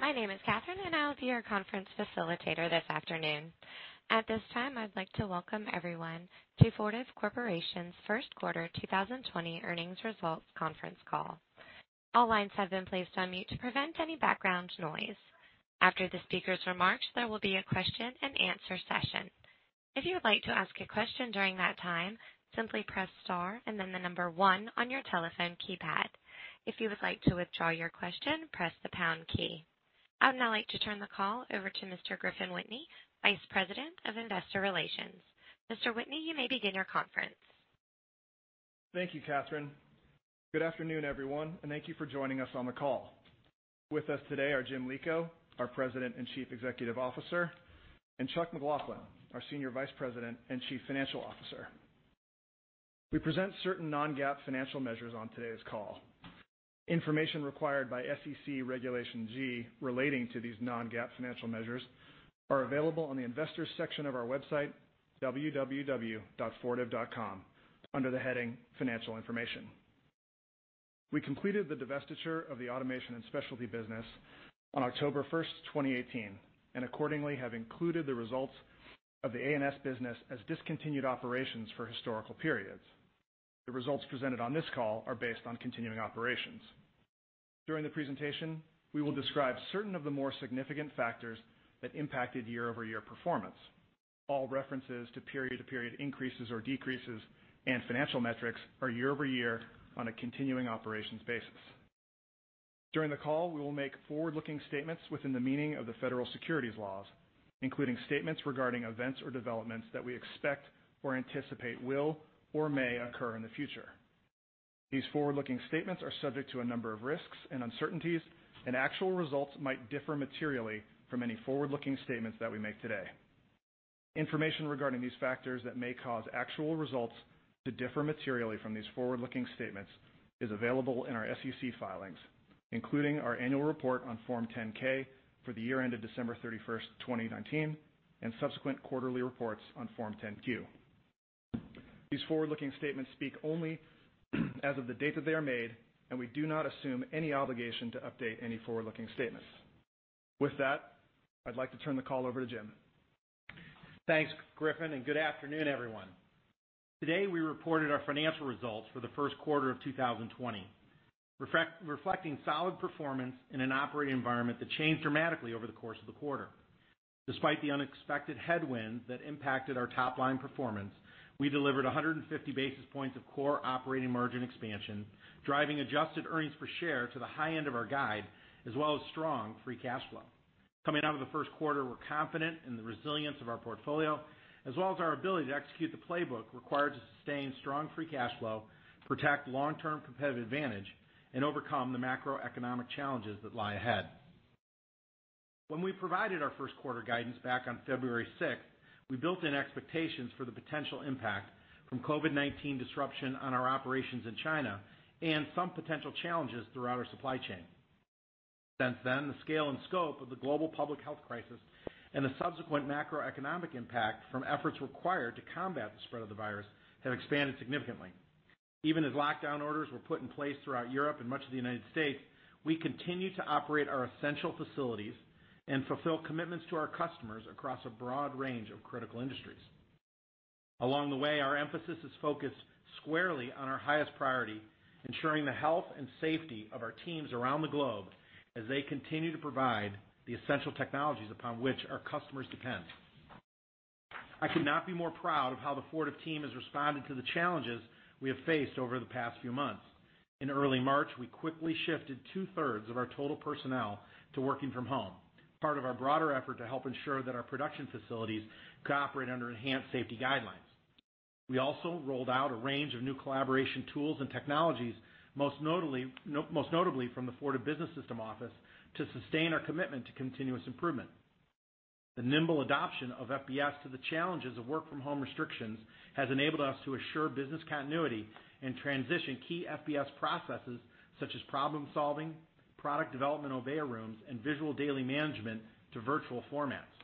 My name is Catherine. I'll be your conference facilitator this afternoon. At this time, I'd like to welcome everyone to Fortive Corporation's first quarter 2020 earnings results conference call. All lines have been placed on mute to prevent any background noise. After the speaker's remarks, there will be a question and answer session. If you would like to ask a question during that time, simply press star and then the number one on your telephone keypad. If you would like to withdraw your question, press the pound key. I would now like to turn the call over to Mr. Griffin Whitney, Vice President of Investor Relations. Mr. Whitney, you may begin your conference. Thank you, Catherine. Good afternoon, everyone, thank you for joining us on the call. With us today are Jim Lico, our President and Chief Executive Officer, and Chuck McLaughlin, our Senior Vice President and Chief Financial Officer. We present certain non-GAAP financial measures on today's call. Information required by SEC Regulation G relating to these non-GAAP financial measures are available on the investors section of our website, www.fortive.com, under the heading Financial Information. We completed the divestiture of the Automation & Specialty business on October 1st, 2018, accordingly have included the results of the A&S business as discontinued operations for historical periods. The results presented on this call are based on continuing operations. During the presentation, we will describe certain of the more significant factors that impacted year-over-year performance. All references to period to period increases or decreases and financial metrics are year-over-year on a continuing operations basis. During the call, we will make forward-looking statements within the meaning of the federal securities laws, including statements regarding events or developments that we expect or anticipate will or may occur in the future. These forward-looking statements are subject to a number of risks and uncertainties, and actual results might differ materially from any forward-looking statements that we make today. Information regarding these factors that may cause actual results to differ materially from these forward-looking statements is available in our SEC filings, including our annual report on Form 10-K for the year end of December 31, 2019, and subsequent quarterly reports on Form 10-Q. These forward-looking statements speak only as of the date that they are made, and we do not assume any obligation to update any forward-looking statements. With that, I'd like to turn the call over to Jim. Thanks, Griffin, and good afternoon, everyone. Today, we reported our financial results for the first quarter of 2020, reflecting solid performance in an operating environment that changed dramatically over the course of the quarter. Despite the unexpected headwind that impacted our top-line performance, we delivered 150 basis points of core operating margin expansion, driving adjusted earnings per share to the high end of our guide, as well as strong free cash flow. Coming out of the first quarter, we're confident in the resilience of our portfolio, as well as our ability to execute the playbook required to sustain strong free cash flow, protect long-term competitive advantage, and overcome the macroeconomic challenges that lie ahead. When we provided our first quarter guidance back on February 6th, we built in expectations for the potential impact from COVID-19 disruption on our operations in China and some potential challenges throughout our supply chain. Since then, the scale and scope of the global public health crisis and the subsequent macroeconomic impact from efforts required to combat the spread of the virus have expanded significantly. Even as lockdown orders were put in place throughout Europe and much of the United States, we continue to operate our essential facilities and fulfill commitments to our customers across a broad range of critical industries. Along the way, our emphasis is focused squarely on our highest priority, ensuring the health and safety of our teams around the globe as they continue to provide the essential technologies upon which our customers depend. I could not be more proud of how the Fortive team has responded to the challenges we have faced over the past few months. In early March, we quickly shifted two-thirds of our total personnel to working from home, part of our broader effort to help ensure that our production facilities could operate under enhanced safety guidelines. We also rolled out a range of new collaboration tools and technologies, most notably from the Fortive Business System office, to sustain our commitment to continuous improvement. The nimble adoption of FBS to the challenges of work from home restrictions has enabled us to assure business continuity and transition key FBS processes such as problem-solving, product development, Obeya rooms, and visual daily management to virtual formats.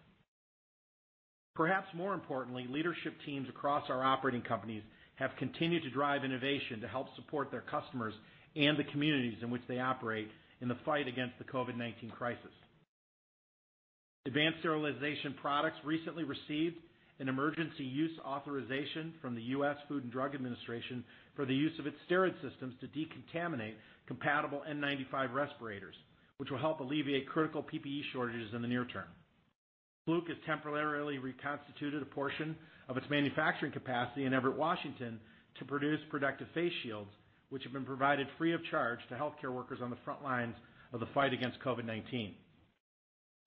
Perhaps more importantly, leadership teams across our operating companies have continued to drive innovation to help support their customers and the communities in which they operate in the fight against the COVID-19 crisis. Advanced Sterilization Products recently received an emergency use authorization from the U.S. Food and Drug Administration for the use of its STERRAD systems to decontaminate compatible N95 respirators, which will help alleviate critical PPE shortages in the near term. Fluke has temporarily reconstituted a portion of its manufacturing capacity in Everett, Washington, to produce protective face shields, which have been provided free of charge to healthcare workers on the front lines of the fight against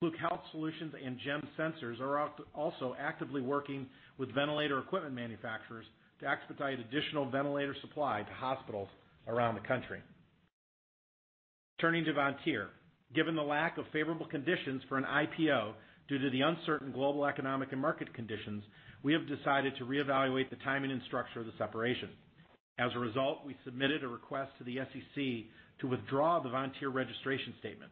COVID-19. Fluke Health Solutions and Gems Sensors are also actively working with ventilator equipment manufacturers to expedite additional ventilator supply to hospitals around the country. Turning to Vontier. Given the lack of favorable conditions for an IPO due to the uncertain global economic and market conditions, we have decided to reevaluate the timing and structure of the separation. As a result, we submitted a request to the SEC to withdraw the Vontier registration statement.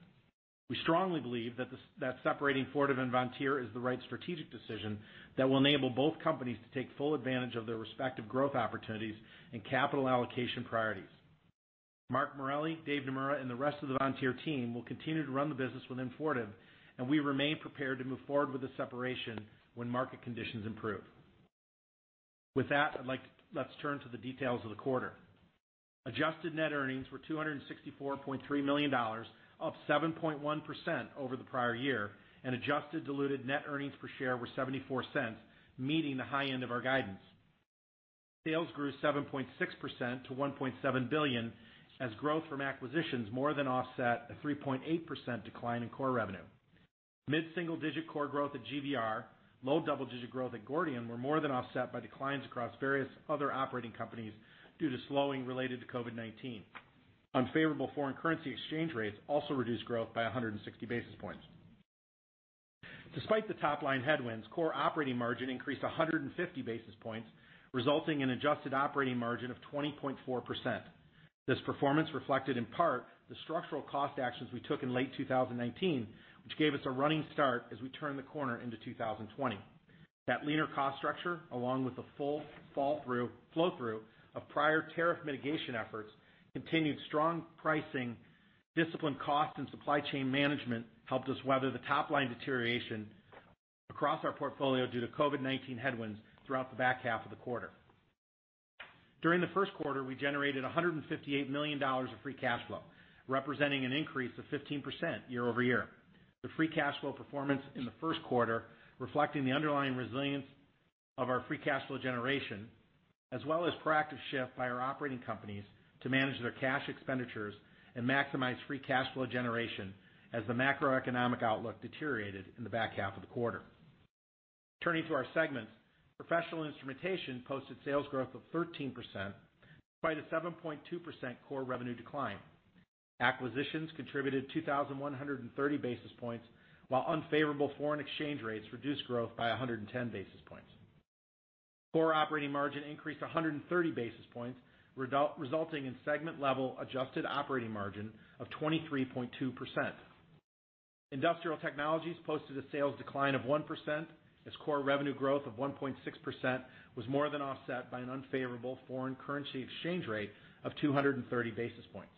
We strongly believe that separating Fortive and Vontier is the right strategic decision that will enable both companies to take full advantage of their respective growth opportunities and capital allocation priorities. Mark Morelli, Dave Nomura, and the rest of the Vontier team will continue to run the business within Fortive, and we remain prepared to move forward with the separation when market conditions improve. With that, let's turn to the details of the quarter. Adjusted net earnings were $264.3 million, up 7.1% over the prior year, and adjusted diluted net earnings per share were $0.74, meeting the high end of our guidance. Sales grew 7.6% to $1.7 billion, as growth from acquisitions more than offset a 3.8% decline in core revenue. Mid-single-digit core growth at GVR, low-double-digit growth at Gordian were more than offset by declines across various other operating companies due to slowing related to COVID-19. Unfavorable foreign currency exchange rates also reduced growth by 160 basis points. Despite the top-line headwinds, core operating margin increased 150 basis points, resulting in adjusted operating margin of 20.4%. This performance reflected in part the structural cost actions we took in late 2019, which gave us a running start as we turned the corner into 2020. That leaner cost structure, along with the full flow-through of prior tariff mitigation efforts, continued strong pricing, disciplined cost, and supply chain management helped us weather the top-line deterioration across our portfolio due to COVID-19 headwinds throughout the back half of the quarter. During the first quarter, we generated $158 million of free cash flow, representing an increase of 15% year-over-year. The free cash flow performance in the first quarter, reflecting the underlying resilience of our free cash flow generation, as well as proactive shift by our operating companies to manage their cash expenditures and maximize free cash flow generation as the macroeconomic outlook deteriorated in the back half of the quarter. Turning to our segments, Professional Instrumentation posted sales growth of 13%, despite a 7.2% core revenue decline. Acquisitions contributed 2,130 basis points, while unfavorable foreign exchange rates reduced growth by 110 basis points. Core operating margin increased 130 basis points, resulting in segment-level adjusted operating margin of 23.2%. Industrial Technologies posted a sales decline of 1%, as core revenue growth of 1.6% was more than offset by an unfavorable foreign currency exchange rate of 230 basis points.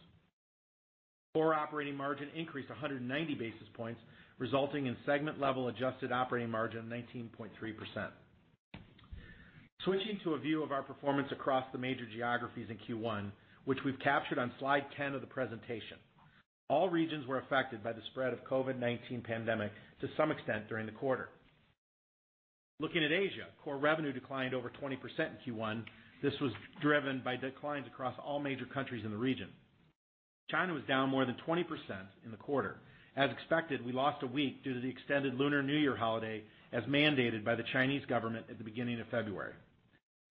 Core operating margin increased 190 basis points, resulting in segment-level adjusted operating margin of 19.3%. Switching to a view of our performance across the major geographies in Q1, which we've captured on slide 10 of the presentation. All regions were affected by the spread of COVID-19 pandemic to some extent during the quarter. Looking at Asia, core revenue declined over 20% in Q1. This was driven by declines across all major countries in the region. China was down more than 20% in the quarter. As expected, we lost one week due to the extended Lunar New Year holiday, as mandated by the Chinese government at the beginning of February.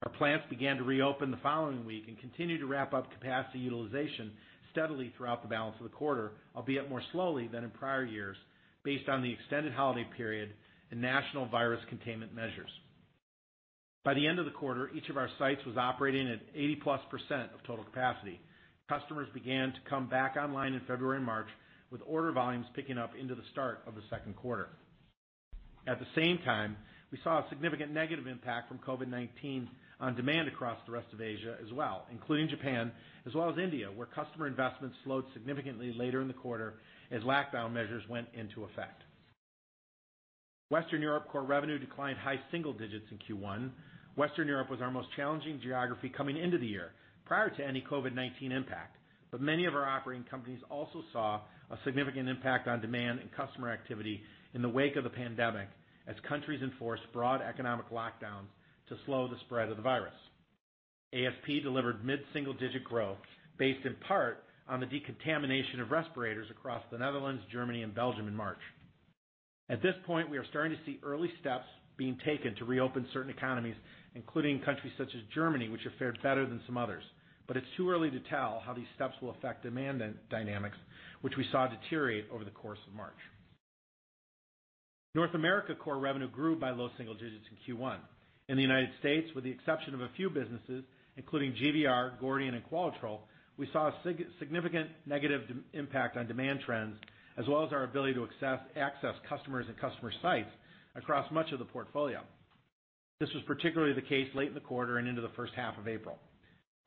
Our plants began to reopen the following week and continue to ramp up capacity utilization steadily throughout the balance of the quarter, albeit more slowly than in prior years, based on the extended holiday period and national virus containment measures. By the end of the quarter, each of our sites was operating at 80-plus% of total capacity. Customers began to come back online in February and March, with order volumes picking up into the start of the second quarter. At the same time, we saw a significant negative impact from COVID-19 on demand across the rest of Asia as well, including Japan as well as India, where customer investments slowed significantly later in the quarter as lockdown measures went into effect. Western Europe core revenue declined high single digits in Q1. Many of our operating companies also saw a significant impact on demand and customer activity in the wake of the pandemic, as countries enforced broad economic lockdowns to slow the spread of the virus. ASP delivered mid-single-digit growth based in part on the decontamination of respirators across the Netherlands, Germany, and Belgium in March. At this point, we are starting to see early steps being taken to reopen certain economies, including countries such as Germany, which have fared better than some others. It's too early to tell how these steps will affect demand dynamics, which we saw deteriorate over the course of March. North America core revenue grew by low single digits in Q1. In the United States, with the exception of a few businesses, including GVR, Gordian, and Qualitrol, we saw a significant negative impact on demand trends, as well as our ability to access customers and customer sites across much of the portfolio. This was particularly the case late in the quarter and into the first half of April.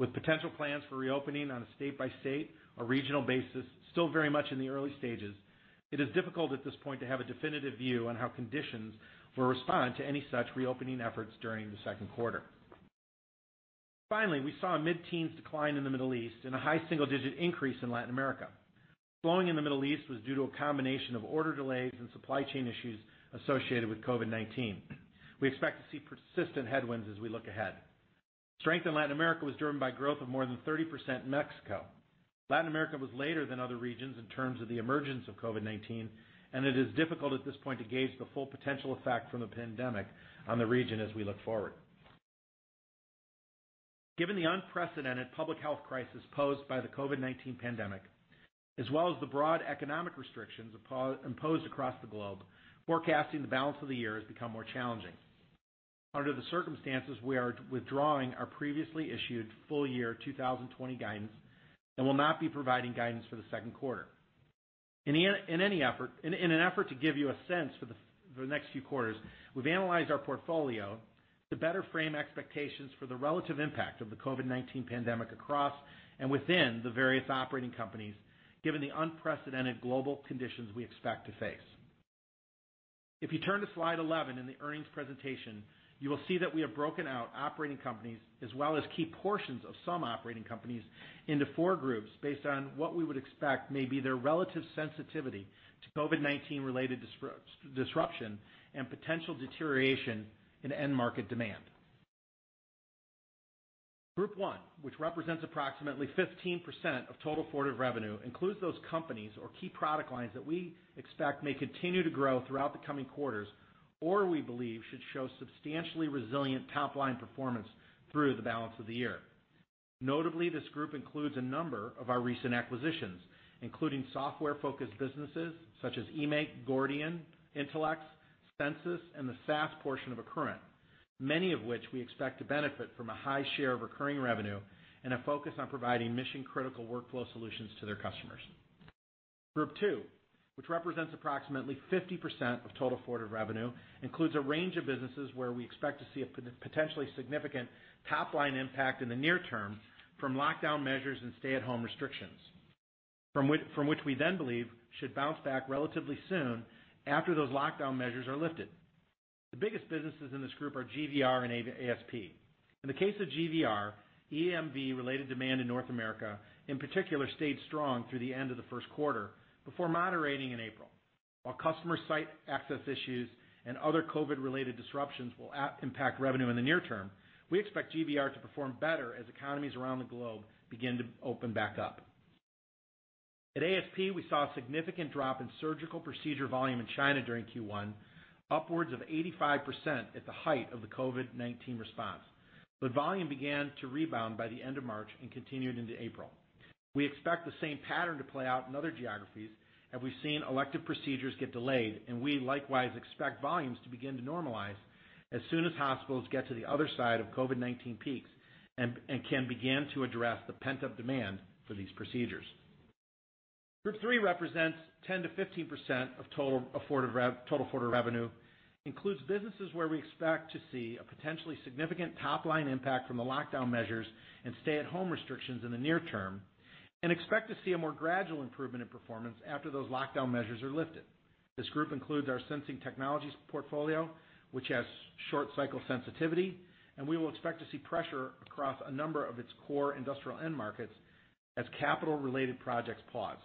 With potential plans for reopening on a state-by-state or regional basis still very much in the early stages, it is difficult at this point to have a definitive view on how conditions will respond to any such reopening efforts during the second quarter. Finally, we saw a mid-teens decline in the Middle East and a high single-digit increase in Latin America. Slowing in the Middle East was due to a combination of order delays and supply chain issues associated with COVID-19. We expect to see persistent headwinds as we look ahead. Strength in Latin America was driven by growth of more than 30% in Mexico. Latin America was later than other regions in terms of the emergence of COVID-19, and it is difficult at this point to gauge the full potential effect from the pandemic on the region as we look forward. Given the unprecedented public health crisis posed by the COVID-19 pandemic, as well as the broad economic restrictions imposed across the globe, forecasting the balance of the year has become more challenging. Under the circumstances, we are withdrawing our previously issued full year 2020 guidance and will not be providing guidance for the second quarter. In an effort to give you a sense for the next few quarters, we've analyzed our portfolio to better frame expectations for the relative impact of the COVID-19 pandemic across and within the various operating companies, given the unprecedented global conditions we expect to face. If you turn to slide 11 in the earnings presentation, you will see that we have broken out operating companies as well as key portions of some operating companies into four groups based on what we would expect may be their relative sensitivity to COVID-19 related disruption and potential deterioration in end market demand. Group one, which represents approximately 15% of total Fortive revenue, includes those companies or key product lines that we expect may continue to grow throughout the coming quarters or we believe should show substantially resilient top-line performance through the balance of the year. Notably, this group includes a number of our recent acquisitions, including software-focused businesses such as eMaint, Gordian, Intelex, Censis, and the SaaS portion of Accruent. Many of which we expect to benefit from a high share of recurring revenue and a focus on providing mission-critical workflow solutions to their customers. Group two, which represents approximately 50% of total Fortive revenue, includes a range of businesses where we expect to see a potentially significant top-line impact in the near term from lockdown measures and stay-at-home restrictions, from which we then believe should bounce back relatively soon after those lockdown measures are lifted. The biggest businesses in this group are GVR and ASP. In the case of GVR, EMV related demand in North America in particular stayed strong through the end of the first quarter before moderating in April. While customer site access issues and other COVID related disruptions will impact revenue in the near term, we expect GVR to perform better as economies around the globe begin to open back up. At ASP, we saw a significant drop in surgical procedure volume in China during Q1, upwards of 85% at the height of the COVID-19 response. Volume began to rebound by the end of March and continued into April. We expect the same pattern to play out in other geographies, and we've seen elective procedures get delayed, and we likewise expect volumes to begin to normalize as soon as hospitals get to the other side of COVID-19 peaks and can begin to address the pent-up demand for these procedures. Group three represents 10%-15% of total Fortive revenue. Includes businesses where we expect to see a potentially significant top-line impact from the lockdown measures and stay-at-home restrictions in the near term, and expect to see a more gradual improvement in performance after those lockdown measures are lifted. This group includes our sensing technologies portfolio, which has short cycle sensitivity, and we will expect to see pressure across a number of its core industrial end markets as capital related projects pause.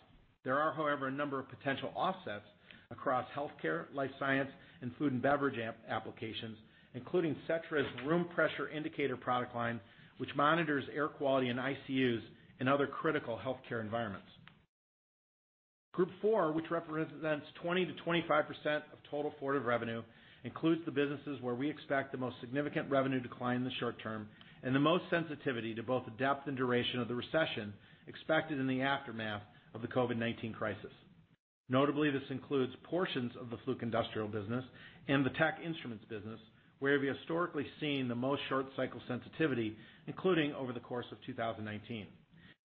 There are, however, a number of potential offsets across healthcare, life science, and food and beverage applications, including Setra room pressure indicator product line, which monitors air quality in ICUs and other critical healthcare environments. Group four, which represents 20%-25% of total Fortive revenue, includes the businesses where we expect the most significant revenue decline in the short term and the most sensitivity to both the depth and duration of the recession expected in the aftermath of the COVID-19 crisis. Notably, this includes portions of the Fluke industrial business and the Tektronix Instruments business, where we have historically seen the most short cycle sensitivity, including over the course of 2019.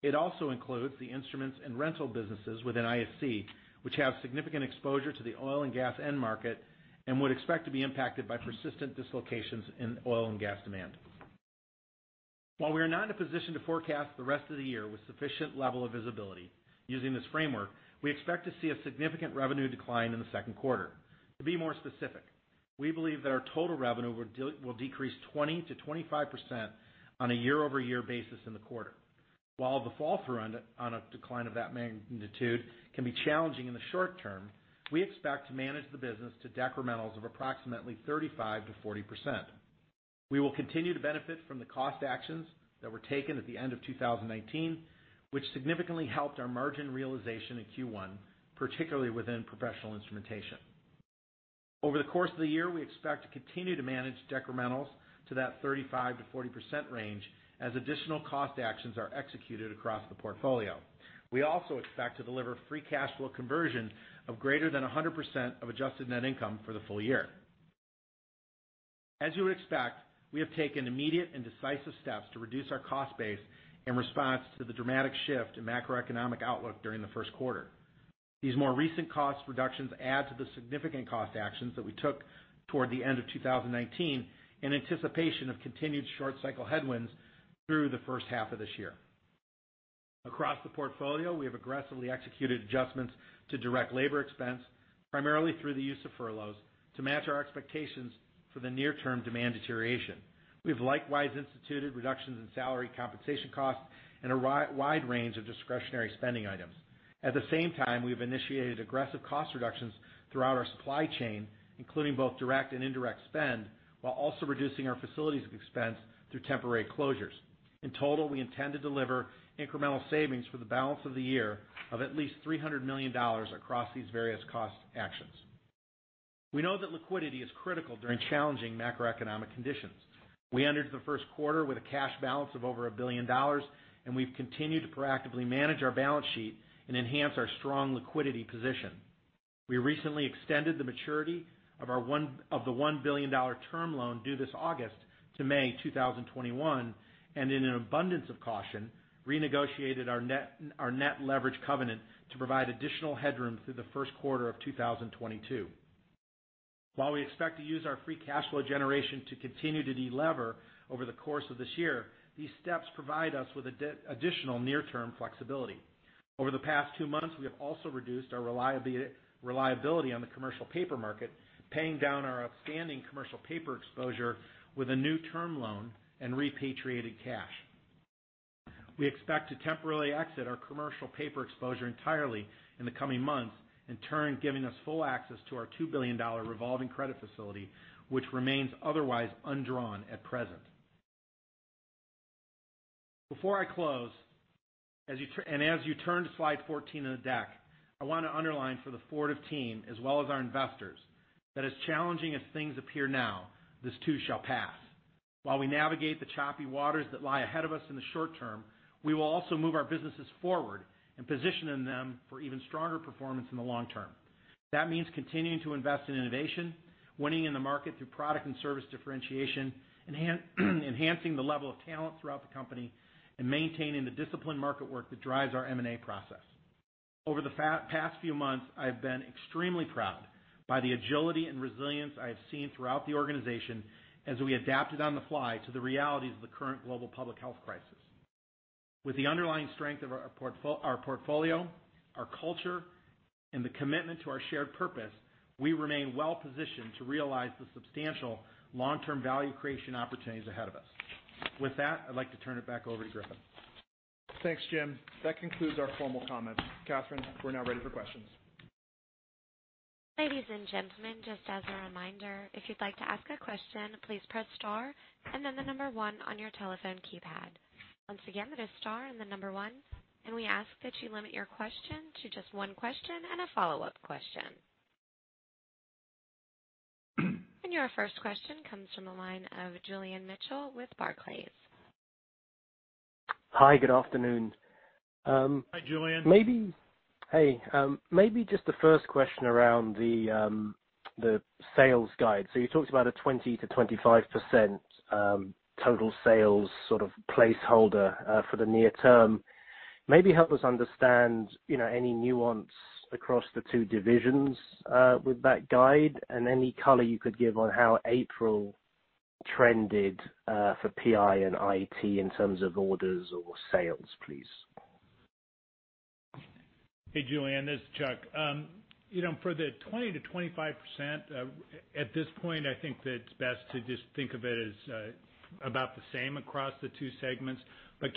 It also includes the instruments and rental businesses within Industrial Scientific, which have significant exposure to the oil and gas end market and would expect to be impacted by persistent dislocations in oil and gas demand. While we are not in a position to forecast the rest of the year with sufficient level of visibility, using this framework, we expect to see a significant revenue decline in the second quarter. To be more specific, we believe that our total revenue will decrease 20%-25% on a year-over-year basis in the quarter. While the fall through on a decline of that magnitude can be challenging in the short term, we expect to manage the business to decrementals of approximately 35%-40%. We will continue to benefit from the cost actions that were taken at the end of 2019, which significantly helped our margin realization in Q1, particularly within professional instrumentation. Over the course of the year, we expect to continue to manage decrementals to that 35%-40% range as additional cost actions are executed across the portfolio. We also expect to deliver free cash flow conversion of greater than 100% of adjusted net income for the full year. As you would expect, we have taken immediate and decisive steps to reduce our cost base in response to the dramatic shift in macroeconomic outlook during the first quarter. These more recent cost reductions add to the significant cost actions that we took toward the end of 2019 in anticipation of continued short cycle headwinds through the first half of this year. Across the portfolio, we have aggressively executed adjustments to direct labor expense, primarily through the use of furloughs to match our expectations for the near term demand deterioration. We've likewise instituted reductions in salary compensation costs and a wide range of discretionary spending items. At the same time, we've initiated aggressive cost reductions throughout our supply chain, including both direct and indirect spend, while also reducing our facilities expense through temporary closures. In total, we intend to deliver incremental savings for the balance of the year of at least $300 million across these various cost actions. We know that liquidity is critical during challenging macroeconomic conditions. We entered the first quarter with a cash balance of over $1 billion, and we've continued to proactively manage our balance sheet and enhance our strong liquidity position. We recently extended the maturity of the $1 billion term loan due this August to May 2021, and in an abundance of caution, renegotiated our net leverage covenant to provide additional headroom through the first quarter of 2022. While we expect to use our free cash flow generation to continue to de-lever over the course of this year, these steps provide us with additional near-term flexibility. Over the past two months, we have also reduced our reliability on the commercial paper market, paying down our outstanding commercial paper exposure with a new term loan and repatriated cash. We expect to temporarily exit our commercial paper exposure entirely in the coming months, in turn, giving us full access to our $2 billion revolving credit facility, which remains otherwise undrawn at present. Before I close, as you turn to slide 14 of the deck, I want to underline for the Fortive team as well as our investors, that as challenging as things appear now, this too shall pass. While we navigate the choppy waters that lie ahead of us in the short term, we will also move our businesses forward and positioning them for even stronger performance in the long term. That means continuing to invest in innovation, winning in the market through product and service differentiation, enhancing the level of talent throughout the company, and maintaining the disciplined market work that drives our M&A process. Over the past few months, I've been extremely proud by the agility and resilience I have seen throughout the organization as we adapted on the fly to the realities of the current global public health crisis. With the underlying strength of our portfolio, our culture, and the commitment to our shared purpose, we remain well-positioned to realize the substantial long-term value creation opportunities ahead of us. With that, I'd like to turn it back over to Griffin. Thanks, Jim. That concludes our formal comments. Catherine, we're now ready for questions. Ladies and gentlemen, just as a reminder, if you'd like to ask a question, please press star and then the number one on your telephone keypad. Once again, that is star and the number one. We ask that you limit your question to just one question and a follow-up question. Your first question comes from the line of Julian Mitchell with Barclays. Hi, good afternoon. Hi, Julian. Hey. Maybe just the first question around the sales guide. You talked about a 20%-25% total sales sort of placeholder for the near term. Maybe help us understand any nuance across the two divisions, with that guide, and any color you could give on how April trended, for PI and IT in terms of orders or sales, please. Hey, Julian, this is Chuck. For the 20%-25%, at this point, I think that it's best to just think of it as about the same across the two segments.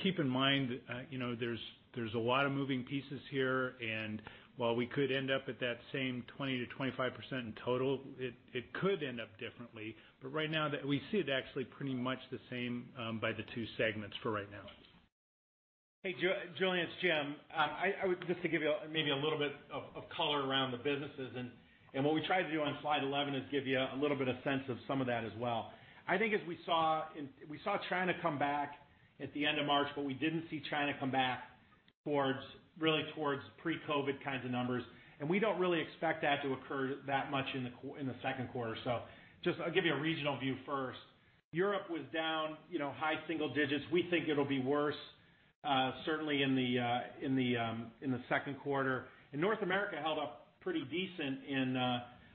Keep in mind, there's a lot of moving pieces here, and while we could end up at that same 20%-25% in total, it could end up differently. Right now, we see it actually pretty much the same, by the two segments for right now. Hey, Julian, it's Jim. Just to give you maybe a little bit of color around the businesses and what we tried to do on slide 11 is give you a little bit of sense of some of that as well. I think as we saw China come back at the end of March, but we didn't see China come back really towards pre-COVID-19 kinds of numbers, and we don't really expect that to occur that much in the second quarter. I'll give you a regional view first. Europe was down, high single digits. We think it'll be worse, certainly in the second quarter. North America held up pretty decent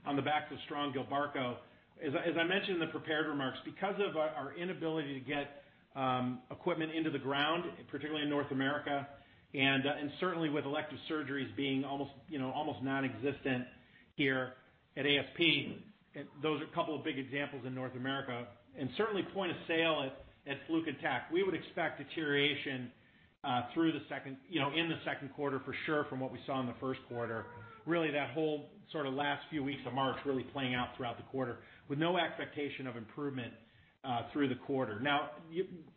on the backs of strong Gilbarco. As I mentioned in the prepared remarks, because of our inability to get equipment into the ground, particularly in North America, and certainly with elective surgeries being almost nonexistent here at ASP. Those are a couple of big examples in North America, certainly point of sale at Fluke and Tek. We would expect deterioration in the second quarter for sure from what we saw in the first quarter. That whole sort of last few weeks of March really playing out throughout the quarter, with no expectation of improvement through the quarter.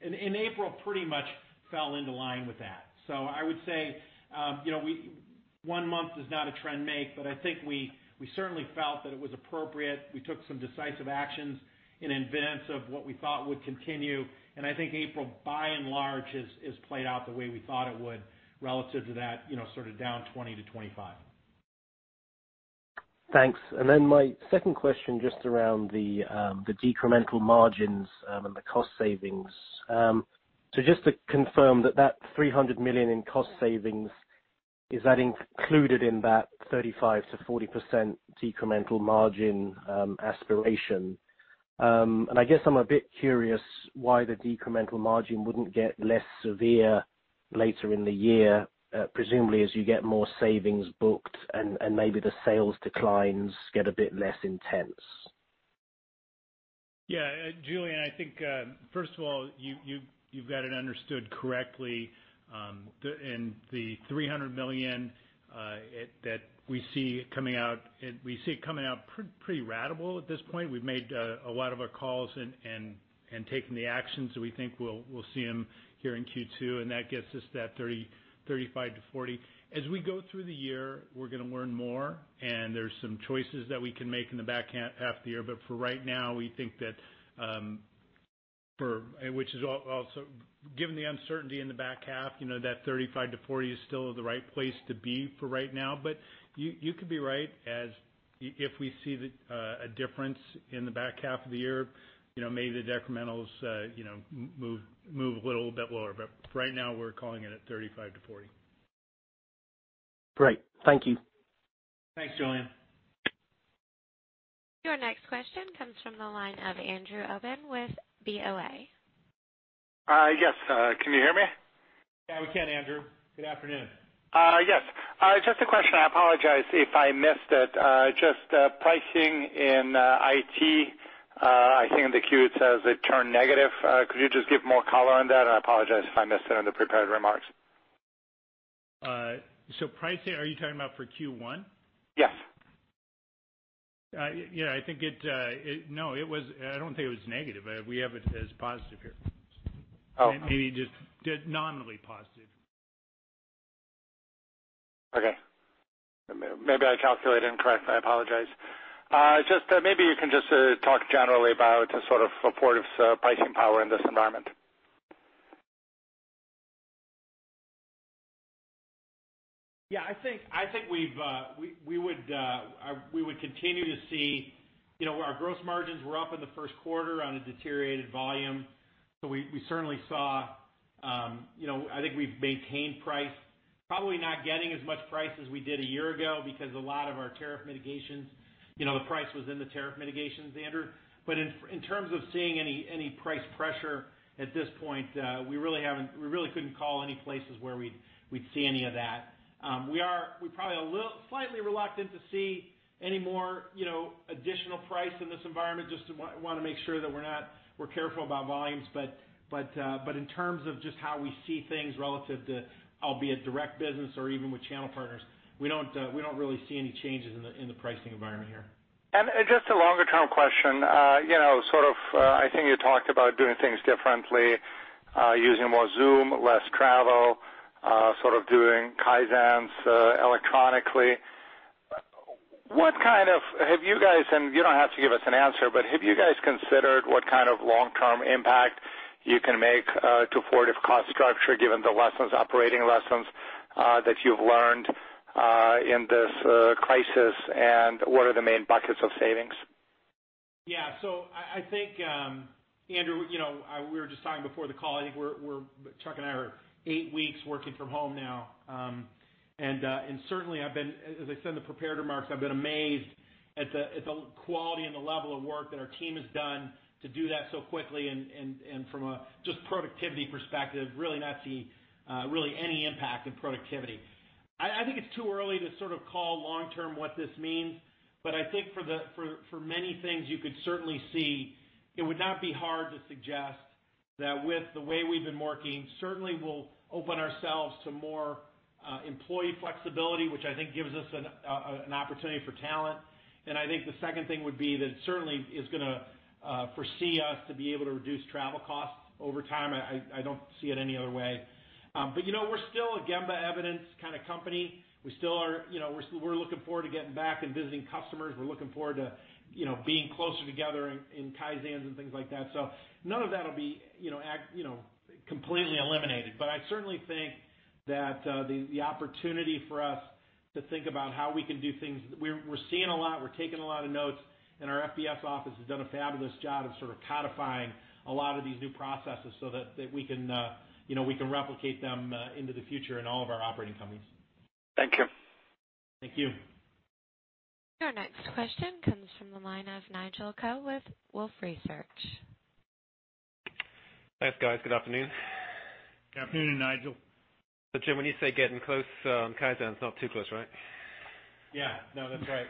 In April pretty much fell into line with that. I would say one month does not a trend make, but I think we certainly felt that it was appropriate. We took some decisive actions in advance of what we thought would continue, I think April, by and large, has played out the way we thought it would relative to that, sort of down 20%-25%. Thanks. My second question, just around the decremental margins and the cost savings. Just to confirm that that $300 million in cost savings, is that included in that 35%-40% decremental margin aspiration? I guess I'm a bit curious why the decremental margin wouldn't get less severe later in the year, presumably, as you get more savings booked and maybe the sales declines get a bit less intense. Yeah. Julian, I think, first of all, you've got it understood correctly. The $300 million that we see coming out pretty ratable at this point. We've made a lot of our calls and taken the actions, so we think we'll see them here in Q2, and that gets us that 35%-40%. As we go through the year, we're going to learn more, and there's some choices that we can make in the back half of the year. For right now, we think that given the uncertainty in the back half, that 35%-40% is still the right place to be for right now. You could be right, as if we see a difference in the back half of the year, maybe the decrementals move a little bit lower. Right now, we're calling it at 35%-40%. Great. Thank you. Thanks, Julian. Your next question comes from the line of Andrew Obin with BoA. Yes. Can you hear me? Yeah, we can, Andrew. Good afternoon. Yes. Just a question, I apologize if I missed it. Just pricing in IT, I think in the Q it says it turned negative. Could you just give more color on that? I apologize if I missed it in the prepared remarks. Pricing, are you talking about for Q1? Yes. Yeah. I don't think it was negative. We have it as positive here. Oh, okay. Maybe just nominally positive. Okay. Maybe I calculated incorrect, I apologize. Maybe you can just talk generally about sort of Fortive's pricing power in this environment. Yeah, I think we would continue to see our gross margins were up in the first quarter on a deteriorated volume. I think we've maintained price, probably not getting as much price as we did a year ago because a lot of our tariff mitigations, the price was in the tariff mitigations, Andrew. In terms of seeing any price pressure at this point, we really couldn't call any places where we'd see any of that. We're probably slightly reluctant to see any more additional price in this environment, just want to make sure that we're careful about volumes. In terms of just how we see things relative to albeit direct business or even with channel partners, we don't really see any changes in the pricing environment here. Just a longer-term question. I think you talked about doing things differently, using more Zoom, less travel, sort of doing Kaizens electronically. You don't have to give us an answer, but have you guys considered what kind of long-term impact you can make to Fortive cost structure, given the operating lessons that you've learned in this crisis, and what are the main buckets of savings? I think, Andrew, we were just talking before the call, I think, Chuck and I are eight weeks working from home now. Certainly, as I said in the prepared remarks, I've been amazed at the quality and the level of work that our team has done to do that so quickly, and from a just productivity perspective, really not see any impact in productivity. I think it's too early to sort of call long term what this means. I think for many things, you could certainly see it would not be hard to suggest that with the way we've been working, certainly we'll open ourselves to more employee flexibility, which I think gives us an opportunity for talent. I think the second thing would be that it certainly is going to foresee us to be able to reduce travel costs over time. I don't see it any other way. We're still a Gemba evidence kind of company. We're looking forward to getting back and visiting customers. We're looking forward to being closer together in Kaizens and things like that. None of that'll be completely eliminated. I certainly think that the opportunity for us to think about how we can do things, we're seeing a lot, we're taking a lot of notes, and our FBS office has done a fabulous job of sort of codifying a lot of these new processes so that we can replicate them into the future in all of our operating companies. Thank you. Thank you. Your next question comes from the line of Nigel Coe with Wolfe Research. Thanks, guys. Good afternoon. Good afternoon, Nigel. Jim, when you say getting close on Kaizen, it's not too close, right? Yeah, no, that's right.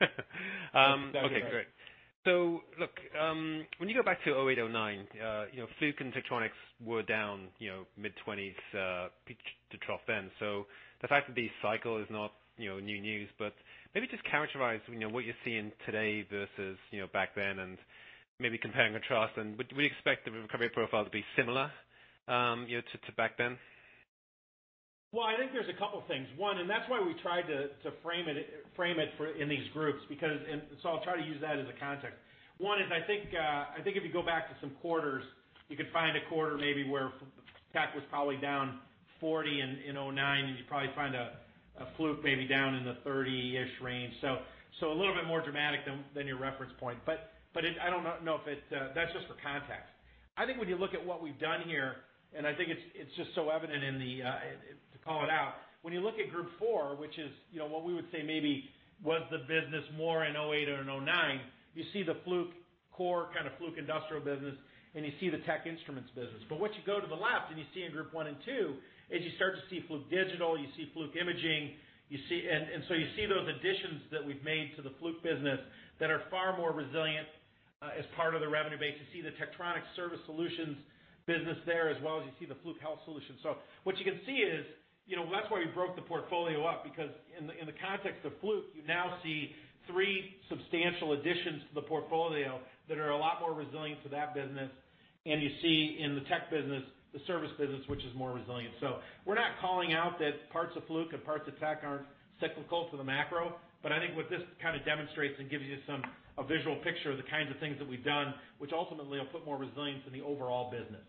Okay, great. Look, when you go back to 2008, 2009 Fluke and Tektronix were down mid-20s peak-to-trough then. The fact of the cycle is not new news, but maybe just characterize what you're seeing today versus back then and maybe compare and contrast. Would we expect the recovery profile to be similar to back then? Well, I think there's a couple things. One, and that's why we tried to frame it in these groups, I'll try to use that as a context. One is I think if you go back to some quarters, you could find a quarter maybe where tek was probably down 40 in 2009, and you'd probably find a Fluke maybe down in the 30-ish range. A little bit more dramatic than your reference point. I don't know, that's just for context. I think when you look at what we've done here, and I think it's just so evident to call it out. When you look at group four, which is what we would say maybe was the business more in 2008 or in 2009, you see the Fluke core, kind of Fluke industrial business, and you see the Tech instruments business. Once you go to the left and you see in group one and two is you start to see Fluke digital, you see Fluke imaging. You see those additions that we've made to the Fluke business that are far more resilient as part of the revenue base. You see the Tektronix service solutions business there as well as you see the Fluke Health Solutions. What you can see is that's why we broke the portfolio up because in the context of Fluke, you now see three substantial additions to the portfolio that are a lot more resilient to that business. You see in the tech business, the service business, which is more resilient. We're not calling out that parts of Fluke and parts of Tech aren't cyclical to the macro. I think what this kind of demonstrates and gives you a visual picture of the kinds of things that we've done, which ultimately will put more resilience in the overall business.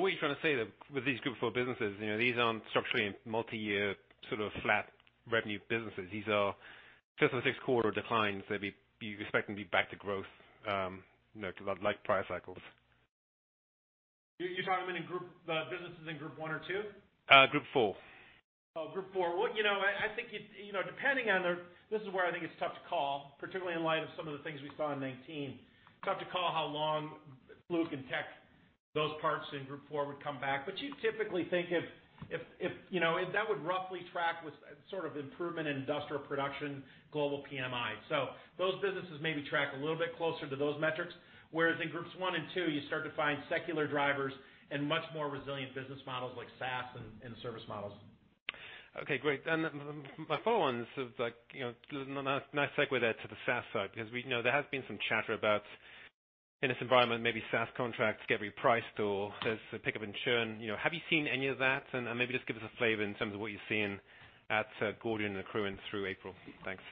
What you're trying to say that with these group four businesses, these aren't structurally multi-year sort of flat revenue businesses. These are fifth or sixth quarter declines that you're expecting to be back to growth, because unlike prior cycles. You're talking about in the businesses in group one or two? Group four. Group four. This is where I think it's tough to call, particularly in light of some of the things we saw in 2019. Tough to call how long Fluke and tech, those parts in group four would come back. You'd typically think if that would roughly track with sort of improvement in industrial production, global PMI. Those businesses maybe track a little bit closer to those metrics, whereas in groups one and two, you start to find secular drivers and much more resilient business models like SaaS and service models. Okay, great. My follow on this is like, a nice segue there to the SaaS side because we know there has been some chatter about in this environment, maybe SaaS contracts get repriced or there's a pickup in churn. Have you seen any of that? Maybe just give us a flavor in terms of what you're seeing at Gordian and Accruent through April. Thanks.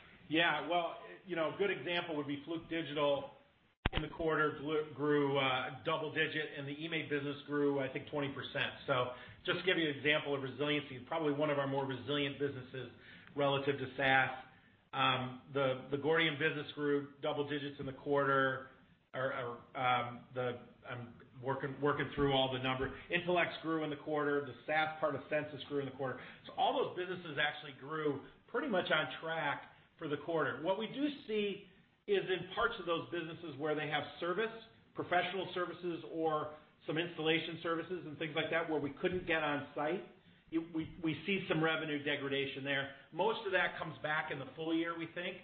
Well, a good example would be Fluke digital in the quarter grew double-digit and the eMaint business grew, I think 20%. Just to give you an example of resiliency, probably one of our more resilient businesses relative to SaaS. The Gordian business grew double-digits in the quarter. I'm working through all the numbers. Intelex grew in the quarter. The SaaS part of Censis grew in the quarter. All those businesses actually grew pretty much on track for the quarter. What we do see is in parts of those businesses where they have service, professional services or some installation services and things like that, where we couldn't get on site, we see some revenue degradation there. Most of that comes back in the full year, we think.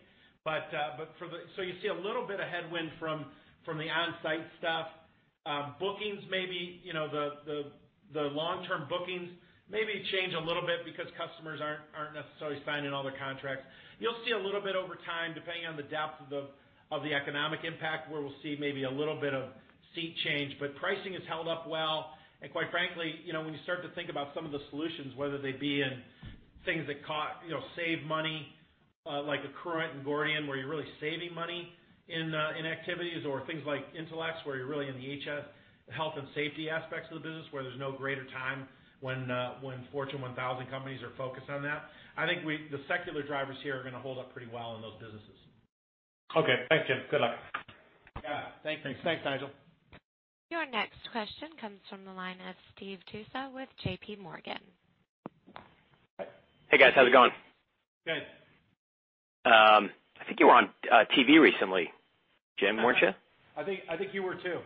You see a little bit of headwind from the on-site stuff. Bookings, maybe, the long-term bookings maybe change a little bit because customers aren't necessarily signing all their contracts. You'll see a little bit over time, depending on the depth of the economic impact, where we'll see maybe a little bit of seat change. Pricing has held up well, and quite frankly, when you start to think about some of the solutions, whether they be in things that save money, like Accruent and Gordian, where you're really saving money in activities or things like Intelex, where you're really in the HS, the health and safety aspects of the business, where there's no greater time when Fortune 1000 companies are focused on that. I think the secular drivers here are going to hold up pretty well in those businesses. Okay. Thanks, Jim. Good luck. Yeah. Thank you. Thanks, Nigel. Your next question comes from the line of Steve Tusa with JPMorgan. Hey, guys. How's it going? Good. I think you were on TV recently, Jim, weren't you? I think you were too.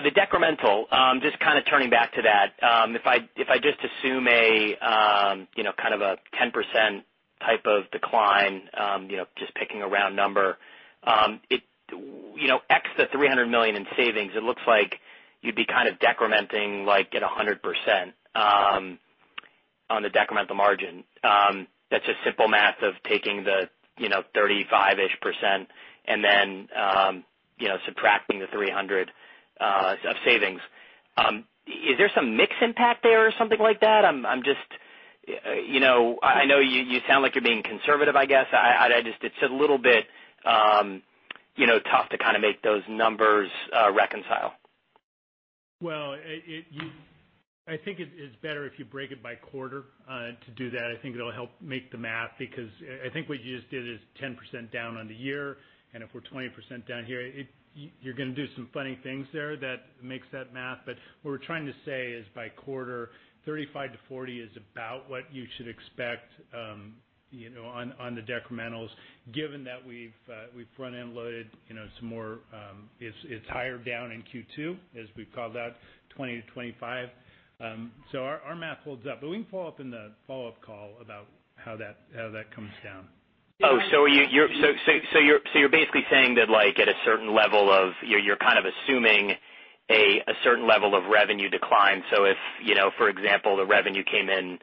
The decremental, just kind of turning back to that, if I just assume a 10% type of decline, just picking a round number. X the $300 million in savings, it looks like you'd be kind of decrementing like at 100% on the decremental margin. That's just simple math of taking the 35-ish% and then subtracting the $300 of savings. Is there some mix impact there or something like that? I know you sound like you're being conservative, I guess. It's a little bit tough to kind of make those numbers reconcile. Well, I think it's better if you break it by quarter to do that. I think it'll help make the math, because I think what you just did is 10% down on the year, and if we're 20% down here, you're going to do some funny things there that makes that math. What we're trying to say is by quarter, 35%-40% is about what you should expect on the decrementals, given that we've front-end loaded some more. It's higher down in Q2, as we've called out 20%-25%. Our math holds up. We can follow up in the follow-up call about how that comes down. You're basically saying that like you're kind of assuming a certain level of revenue decline. If, for example, the revenue came in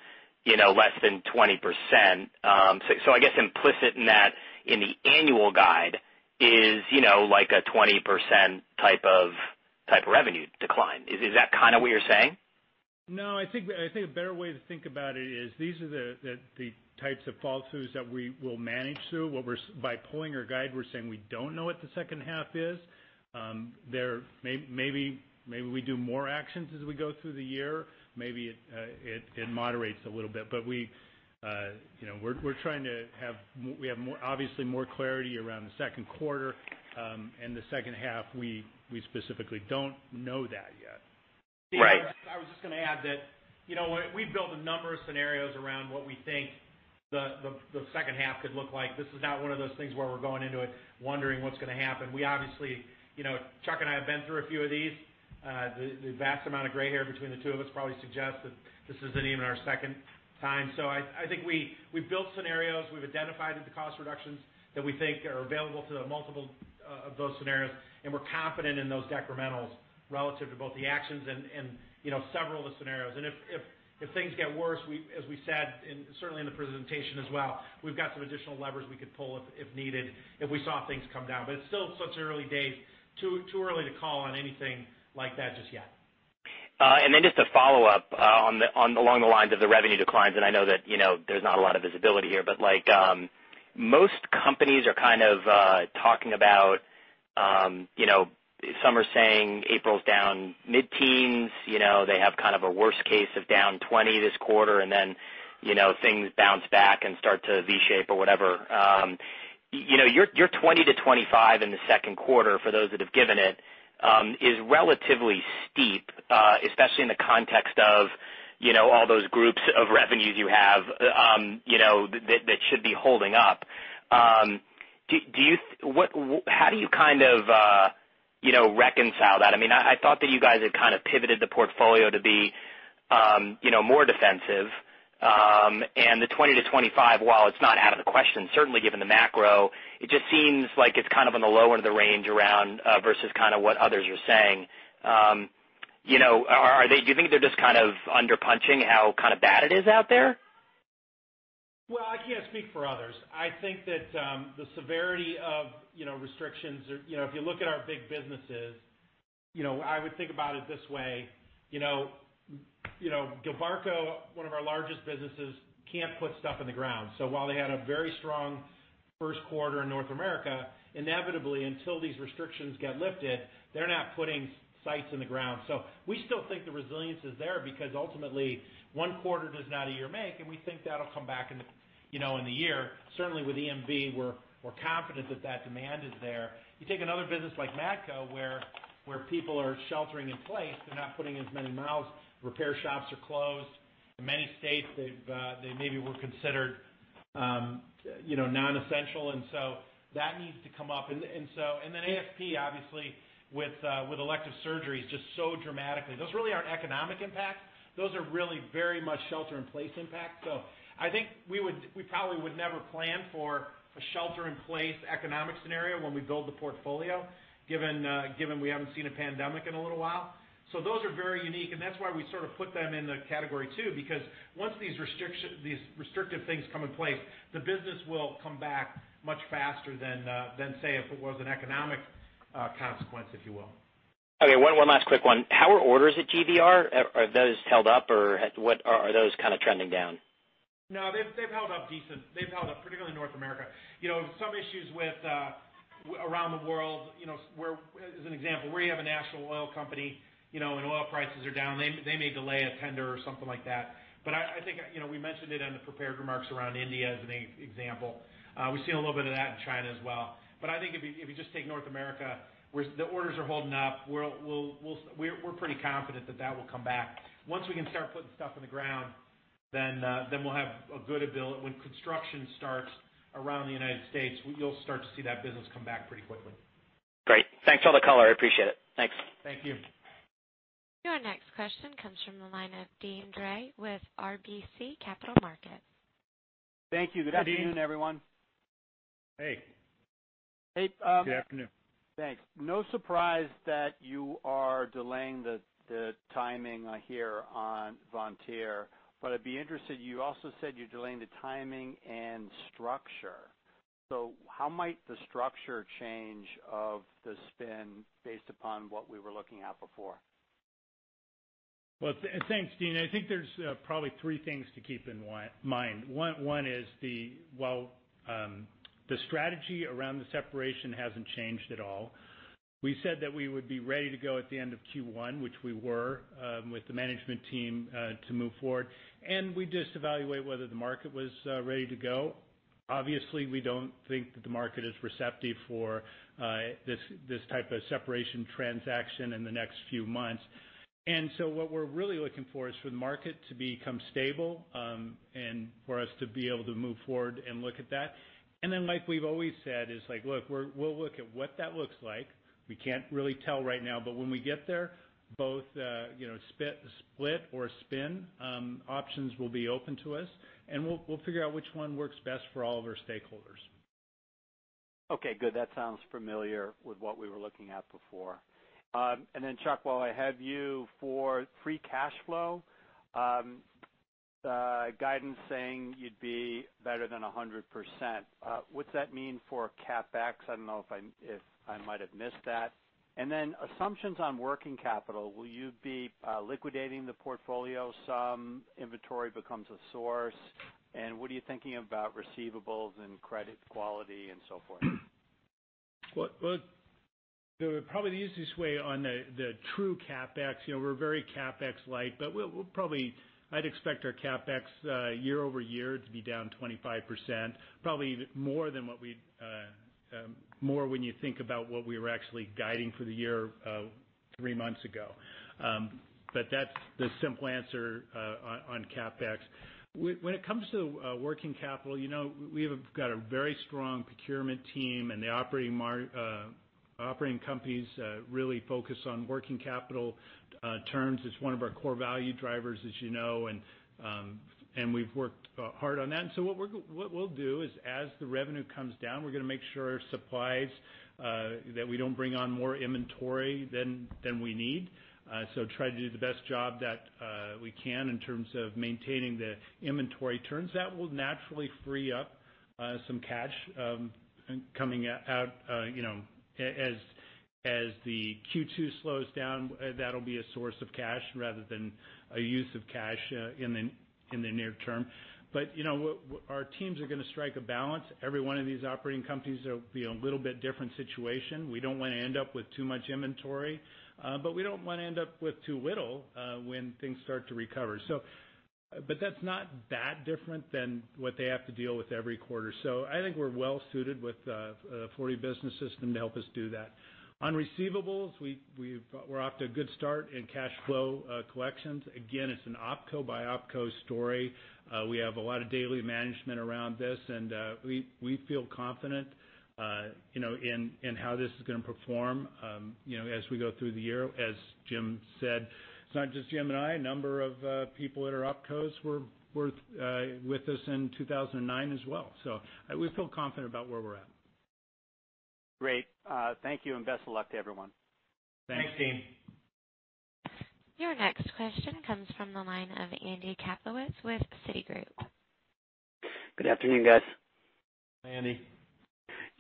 less than 20%, I guess implicit in that in the annual guide is like a 20% type of revenue decline. Is that kind of what you're saying? I think a better way to think about it is these are the types of fall-throughs that we will manage through. By pulling our guide, we're saying we don't know what the second half is. Maybe we do more actions as we go through the year. Maybe it moderates a little bit. We have obviously more clarity around the second quarter. In the second half, we specifically don't know that yet. Right. I was just going to add that we've built a number of scenarios around what we think the second half could look like. This is not one of those things where we're going into it wondering what's going to happen. We obviously, Chuck and I have been through a few of these. The vast amount of gray hair between the two of us probably suggests that this isn't even our second time. I think we've built scenarios, we've identified the cost reductions that we think are available to multiple of those scenarios, and we're confident in those decrementals relative to both the actions and several of the scenarios. If things get worse, as we said, certainly in the presentation as well, we've got some additional levers we could pull if needed if we saw things come down. It's still such early days. Too early to call on anything like that just yet. Just a follow-up along the lines of the revenue declines, and I know that there is not a lot of visibility here, but most companies are kind of talking about, some are saying April's down mid-teens. They have kind of a worst case of down 20% this quarter, and then things bounce back and start to V-shape or whatever. Your 20%-25% in the second quarter, for those that have given it, is relatively steep, especially in the context of all those groups of revenues you have that should be holding up. How do you kind of reconcile that? I thought that you guys had kind of pivoted the portfolio to be more defensive. The 20-25, while it's not out of the question, certainly given the macro, it just seems like it's kind of on the lower of the range around versus kind of what others are saying. Do you think they're just kind of under punching how bad it is out there? Well, I can't speak for others. I think that the severity of restrictions. If you look at our big businesses, I would think about it this way. Gilbarco, one of our largest businesses, can't put stuff in the ground. While they had a very strong first quarter in North America, inevitably, until these restrictions get lifted, they're not putting sites in the ground. We still think the resilience is there, because ultimately, one quarter does not a year make, and we think that'll come back in the year. Certainly with EMV, we're confident that that demand is there. You take another business like Matco, where people are sheltering in place. They're not putting as many miles, repair shops are closed. In many states, they maybe were considered non-essential, and so that needs to come up. ASP, obviously, with elective surgeries, just so dramatically. Those really aren't economic impacts. Those are really very much shelter-in-place impacts. I think we probably would never plan for a shelter-in-place economic scenario when we build the portfolio, given we haven't seen a pandemic in a little while. Those are very unique, and that's why we sort of put them in the category two, because once these restrictive things come in place, the business will come back much faster than, say, if it was an economic consequence, if you will. Okay. One last quick one. How are orders at GVR? Are those held up or are those kind of trending down? No, they've held up decent. They've held up, particularly in North America. Some issues around the world. As an example, where you have a national oil company and oil prices are down, they may delay a tender or something like that. I think we mentioned it on the prepared remarks around India as an example. We've seen a little bit of that in China as well. I think if you just take North America, the orders are holding up. We're pretty confident that will come back. Once we can start putting stuff in the ground, then we'll have a good ability. When construction starts around the United States, you'll start to see that business come back pretty quickly. Great. Thanks for all the color. I appreciate it. Thanks. Thank you. Your next question comes from the line of Deane Dray with RBC Capital Markets. Thank you. Good afternoon, everyone. Hey. Hey. Good afternoon. Thanks. No surprise that you are delaying the timing here on Vontier, I'd be interested, you also said you're delaying the timing and structure. How might the structure change of the spin based upon what we were looking at before? Well, thanks, Deane. I think there's probably three things to keep in mind. One is while the strategy around the separation hasn't changed at all, we said that we would be ready to go at the end of Q1, which we were, with the management team to move forward. We just evaluate whether the market was ready to go. Obviously, we don't think that the market is receptive for this type of separation transaction in the next few months. What we're really looking for is for the market to become stable, and for us to be able to move forward and look at that. Then, like we've always said, is like, look, we'll look at what that looks like. We can't really tell right now, but when we get there, both split or spin options will be open to us, and we'll figure out which one works best for all of our stakeholders. Okay, good. That sounds familiar with what we were looking at before. Chuck, while I have you for free cash flow, the guidance saying you'd be better than 100%. What's that mean for CapEx? I don't know if I might have missed that. Assumptions on working capital, will you be liquidating the portfolio, some inventory becomes a source, and what are you thinking about receivables and credit quality and so forth? Well, probably the easiest way on the true CapEx, we're very CapEx light, but I'd expect our CapEx year-over-year to be down 25%, probably more when you think about what we were actually guiding for the year three months ago. That's the simple answer on CapEx. When it comes to working capital, we have got a very strong procurement team, and the operating companies really focus on working capital terms as one of our core value drivers, as you know, and we've worked hard on that. What we'll do is as the revenue comes down, we're going to make sure that we don't bring on more inventory than we need. Try to do the best job that we can in terms of maintaining the inventory turns. That will naturally free up some cash coming out as the Q2 slows down, that'll be a source of cash rather than a use of cash in the near term. Our teams are going to strike a balance. Every one of these operating companies will be a little bit different situation. We don't want to end up with too much inventory, but we don't want to end up with too little when things start to recover. That's not that different than what they have to deal with every quarter. I think we're well suited with a Fortive Business System to help us do that. On receivables, we're off to a good start in cash flow collections. Again, it's an opco by opco story. We have a lot of daily management around this, and we feel confident in how this is going to perform as we go through the year. As Jim said, it's not just Jim and I, a number of people that are opcos were with us in 2009 as well. We feel confident about where we're at. Great. Thank you, and best of luck to everyone. Thanks. Thanks, Deane. Your next question comes from the line of Andy Kaplowitz with Citigroup. Good afternoon, guys. Hi, Andy.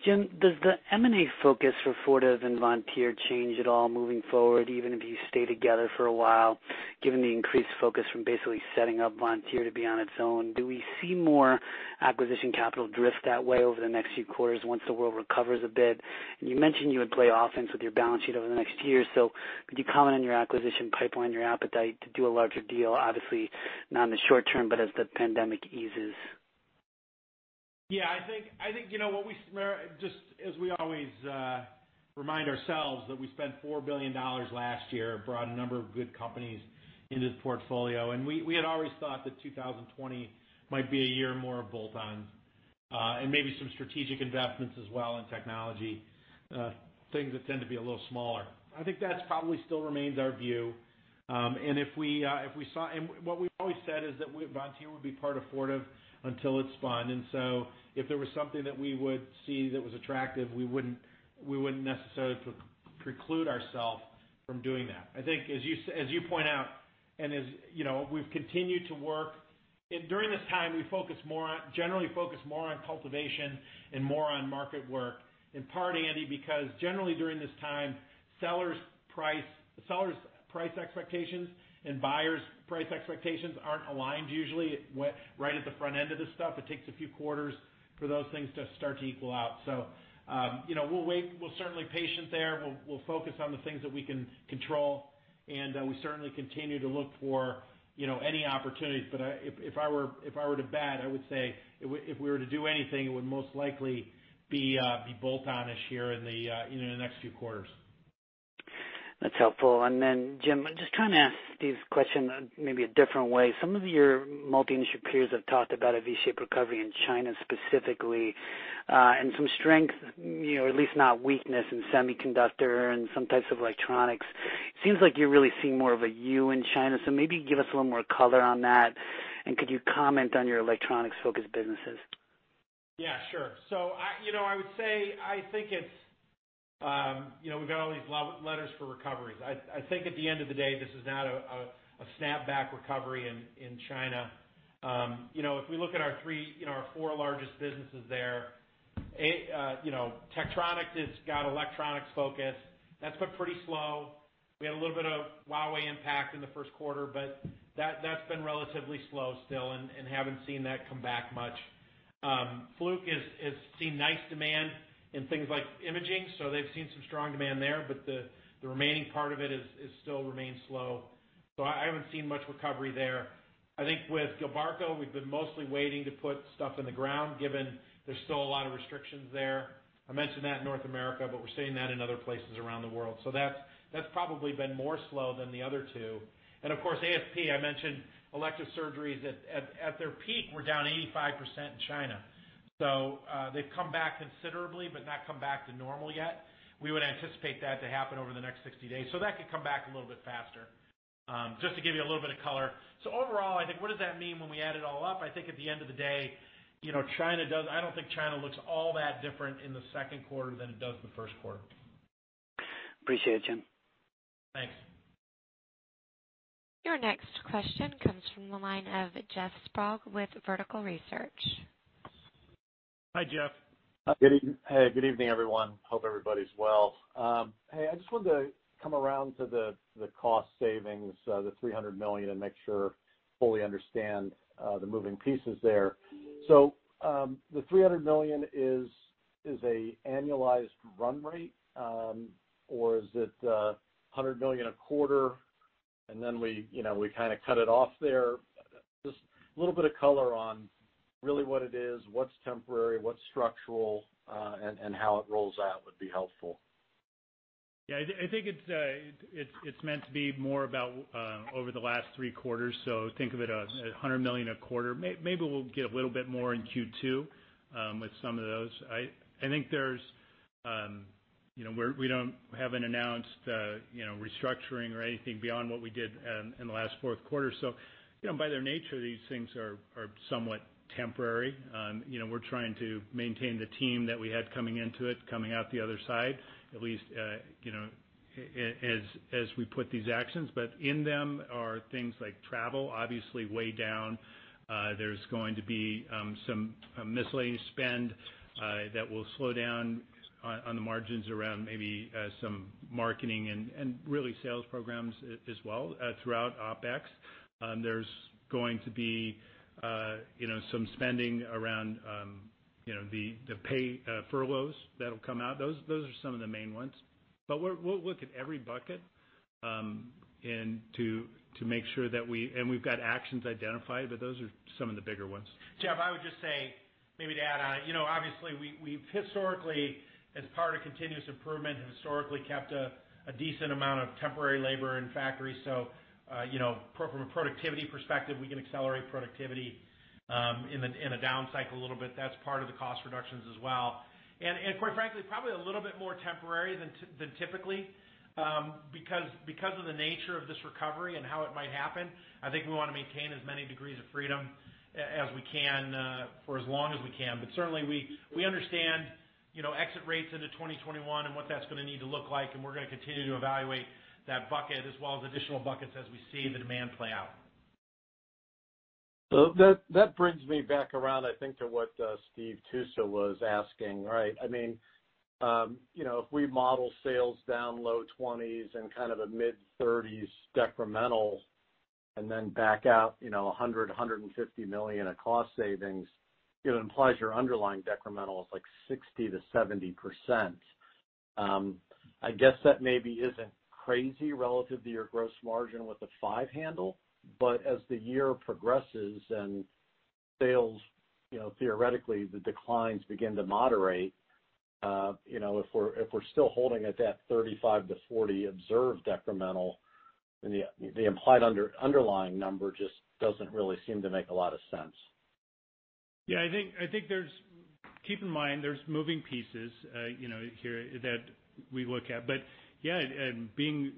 Jim, does the M&A focus for Fortive and Vontier change at all moving forward, even if you stay together for a while, given the increased focus from basically setting up Vontier to be on its own? Do we see more acquisition capital drift that way over the next few quarters once the world recovers a bit? You mentioned you would play offense with your balance sheet over the next year, so could you comment on your acquisition pipeline, your appetite to do a larger deal, obviously not in the short term, but as the pandemic eases? Yeah. As we always remind ourselves that we spent $4 billion last year, brought a number of good companies into the portfolio. We had always thought that 2020 might be a year more of bolt-ons, and maybe some strategic investments as well in technology, things that tend to be a little smaller. I think that probably still remains our view. What we've always said is that Vontier would be part of Fortive until it's spun. So if there was something that we would see that was attractive, we wouldn't necessarily preclude ourself from doing that. I think, as you point out, and as we've continued to work And during this time, we generally focus more on cultivation and more on market work. In part, Andy, because generally during this time, sellers' price expectations and buyers' price expectations aren't aligned usually, right at the front end of this stuff. It takes a few quarters for those things to start to equal out. We'll wait. We're certainly patient there. We'll focus on the things that we can control, and we certainly continue to look for any opportunities. If I were to bet, I would say if we were to do anything, it would most likely be bolt-on-ish here in the next few quarters. That's helpful. Then, Jim, just trying to ask Steve's question maybe a different way. Some of your multi-industry peers have talked about a V-shaped recovery in China specifically, and some strength, or at least not weakness in semiconductor and some types of electronics. It seems like you're really seeing more of a U in China. Maybe give us a little more color on that. Could you comment on your electronics-focused businesses? Yeah, sure. I would say, we've got all these letters for recoveries. I think at the end of the day, this is not a snapback recovery in China. If we look at our four largest businesses there, Tektronix has got electronics focus. That's been pretty slow. We had a little bit of Huawei impact in the first quarter, that's been relatively slow still and haven't seen that come back much. Fluke has seen nice demand in things like imaging, they've seen some strong demand there, the remaining part of it still remains slow. I haven't seen much recovery there. I think with Gilbarco, we've been mostly waiting to put stuff in the ground, given there's still a lot of restrictions there. I mentioned that in North America, we're seeing that in other places around the world. That's probably been more slow than the other two. Of course, ASP, I mentioned elective surgeries at their peak were down 85% in China. They've come back considerably but not come back to normal yet. We would anticipate that to happen over the next 60 days. That could come back a little bit faster. Just to give you a little bit of color. Overall, I think what does that mean when we add it all up? I think at the end of the day, I don't think China looks all that different in the second quarter than it does the first quarter. Appreciate it, Jim. Thanks. Your next question comes from the line of Jeff Sprague with Vertical Research. Hi, Jeff. Hey, good evening, everyone. Hope everybody's well. Hey, I just wanted to come around to the cost savings, the $300 million, and make sure I fully understand the moving pieces there. The $300 million is a annualized run rate, or is it $100 million a quarter, and then we kind of cut it off there? Just a little bit of color on really what it is, what's temporary, what's structural, and how it rolls out would be helpful. Yeah, I think it's meant to be more about over the last three quarters. Think of it as $100 million a quarter. Maybe we'll get a little bit more in Q2 with some of those. We haven't announced restructuring or anything beyond what we did in the last fourth quarter. By their nature, these things are somewhat temporary. We're trying to maintain the team that we had coming into it, coming out the other side, at least as we put these actions, in them are things like travel, obviously way down. There's going to be some miscellaneous spend that will slow down on the margins around maybe some marketing and really sales programs as well throughout OpEx. There's going to be some spending around the pay furloughs that'll come out. Those are some of the main ones. We'll look at every bucket to make sure that and we've got actions identified, but those are some of the bigger ones. Jeff, I would just say, maybe to add on it, obviously we've historically, as part of continuous improvement, have historically kept a decent amount of temporary labor in factories. From a productivity perspective, we can accelerate productivity in a down cycle a little bit. That's part of the cost reductions as well. Quite frankly, probably a little bit more temporary than typically. Because of the nature of this recovery and how it might happen, I think we want to maintain as many degrees of freedom as we can for as long as we can. Certainly, we understand exit rates into 2021 and what that's going to need to look like, and we're going to continue to evaluate that bucket as well as additional buckets as we see the demand play out. That brings me back around, I think, to what Steve Tusa was asking. If we model sales down low 20s and kind of a mid-30s decremental, and then back out $100 million-$150 million of cost savings, it implies your underlying decremental is like 60%-70%. I guess that maybe isn't crazy relative to your gross margin with a five handle. As the year progresses and sales, theoretically, the declines begin to moderate. If we're still holding at that 35-40 observed decremental, then the implied underlying number just doesn't really seem to make a lot of sense. Yeah, I think keep in mind, there's moving pieces here that we look at. Yeah, being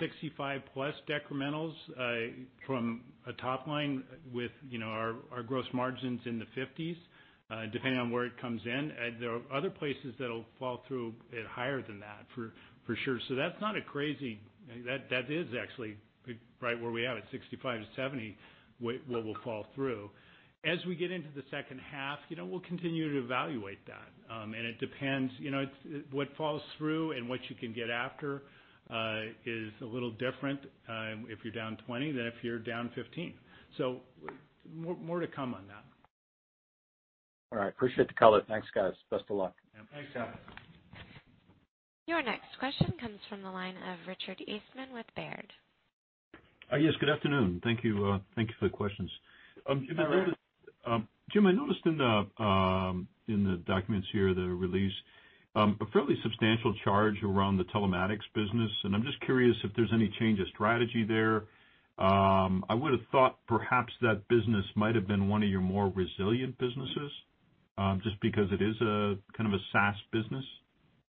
65+ decrementals from a top line with our gross margins in the 50s, depending on where it comes in. There are other places that'll fall through at higher than that, for sure. That is actually right where we have it, 65%-70%, what will fall through. As we get into the second half, we'll continue to evaluate that. It depends, what falls through and what you can get after is a little different if you're down 20% than if you're down 15%. More to come on that. All right. Appreciate the color. Thanks, guys. Best of luck. Yeah. Thanks, Jeff. Your next question comes from the line of Richard Eastman with Baird. Yes. Good afternoon. Thank you for the questions. Hi, Rick. Jim, I noticed in the documents here, the release, a fairly substantial charge around the Telematics business. I'm just curious if there's any change of strategy there. I would've thought perhaps that business might have been one of your more resilient businesses. Just because it is a kind of a SaaS business.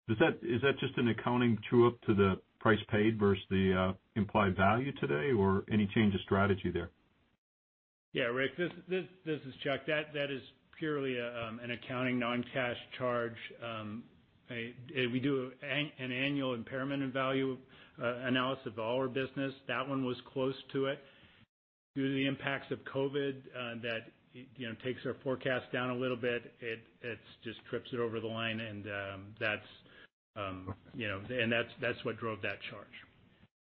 Is that just an accounting true-up to the price paid versus the implied value today, or any change of strategy there? Yeah, Rick. This is Chuck. That is purely an accounting non-cash charge. We do an annual impairment of value analysis of all our business. That one was close to it. Due to the impacts of COVID, that takes our forecast down a little bit. It just trips it over the line, and that's what drove that charge.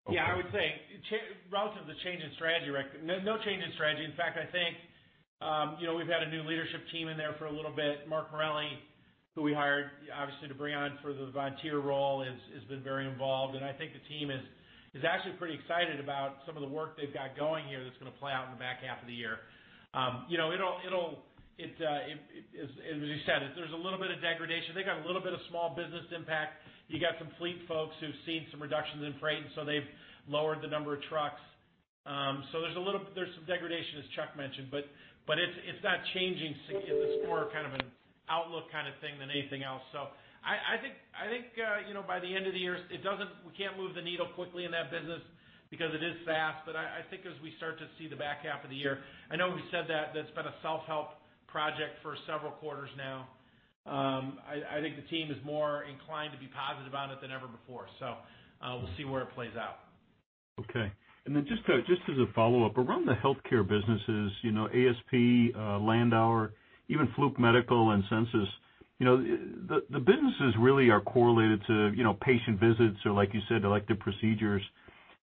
Okay. Yeah, I would say, relative to change in strategy, Rick, no change in strategy. In fact, I think we've had a new leadership team in there for a little bit. Mark Morelli, who we hired obviously to bring on for the Vontier role, has been very involved. I think the team is actually pretty excited about some of the work they've got going here that's going to play out in the back half of the year. As you said, there's a little bit of degradation. They got a little bit of small business impact. You got some fleet folks who've seen some reductions in freight, and so they've lowered the number of trucks. There's some degradation, as Chuck mentioned, but it's not changing. It's more kind of an outlook kind of thing than anything else. I think by the end of the year, we can't move the needle quickly in that business because it is SaaS. I think as we start to see the back half of the year, I know we said that that's been a self-help project for several quarters now. I think the team is more inclined to be positive on it than ever before. We'll see where it plays out. Okay. Just as a follow-up, around the healthcare businesses, ASP, Landauer, even Fluke Biomedical and Censis. The businesses really are correlated to patient visits or like you said, elective procedures.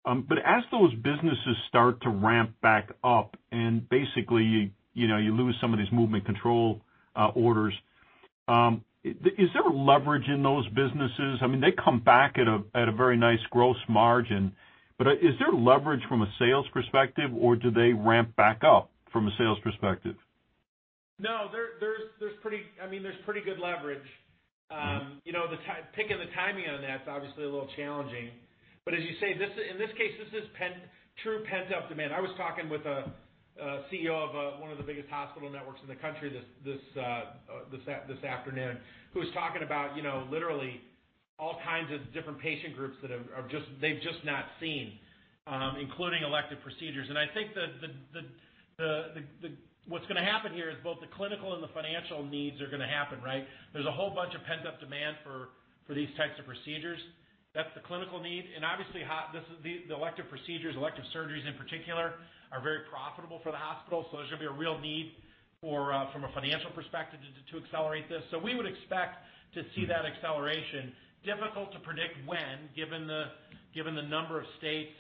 As those businesses start to ramp back up and you lose some of these movement control orders. Is there leverage in those businesses? They come back at a very nice gross margin. Is there leverage from a sales perspective, or do they ramp back up from a sales perspective? No, there's pretty good leverage. Picking the timing on that is obviously a little challenging. As you say, in this case, this is true pent-up demand. I was talking with a CEO of one of the biggest hospital networks in the country this afternoon, who was talking about literally all kinds of different patient groups that they've just not seen. Including elective procedures. I think what's going to happen here is both the clinical and the financial needs are going to happen, right? There's a whole bunch of pent-up demand for these types of procedures. That's the clinical need. Obviously, the elective procedures, elective surgeries in particular, are very profitable for the hospital, there's going to be a real need from a financial perspective to accelerate this. We would expect to see that acceleration. Difficult to predict when, given the number of states,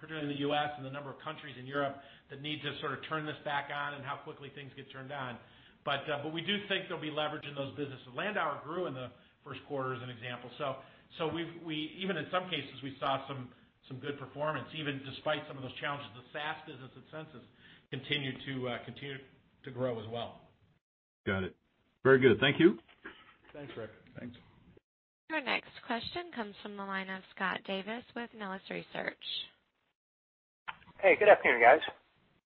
particularly in the U.S. and the number of countries in Europe that need to sort of turn this back on and how quickly things get turned on. We do think there'll be leverage in those businesses. Landauer grew in the first quarter, as an example. Even in some cases, we saw some good performance, even despite some of those challenges. The SaaS business at Censis continue to grow as well. Got it. Very good. Thank you. Thanks, Rick. Thanks. Your next question comes from the line of Scott Davis with Melius Research. Hey, good afternoon, guys.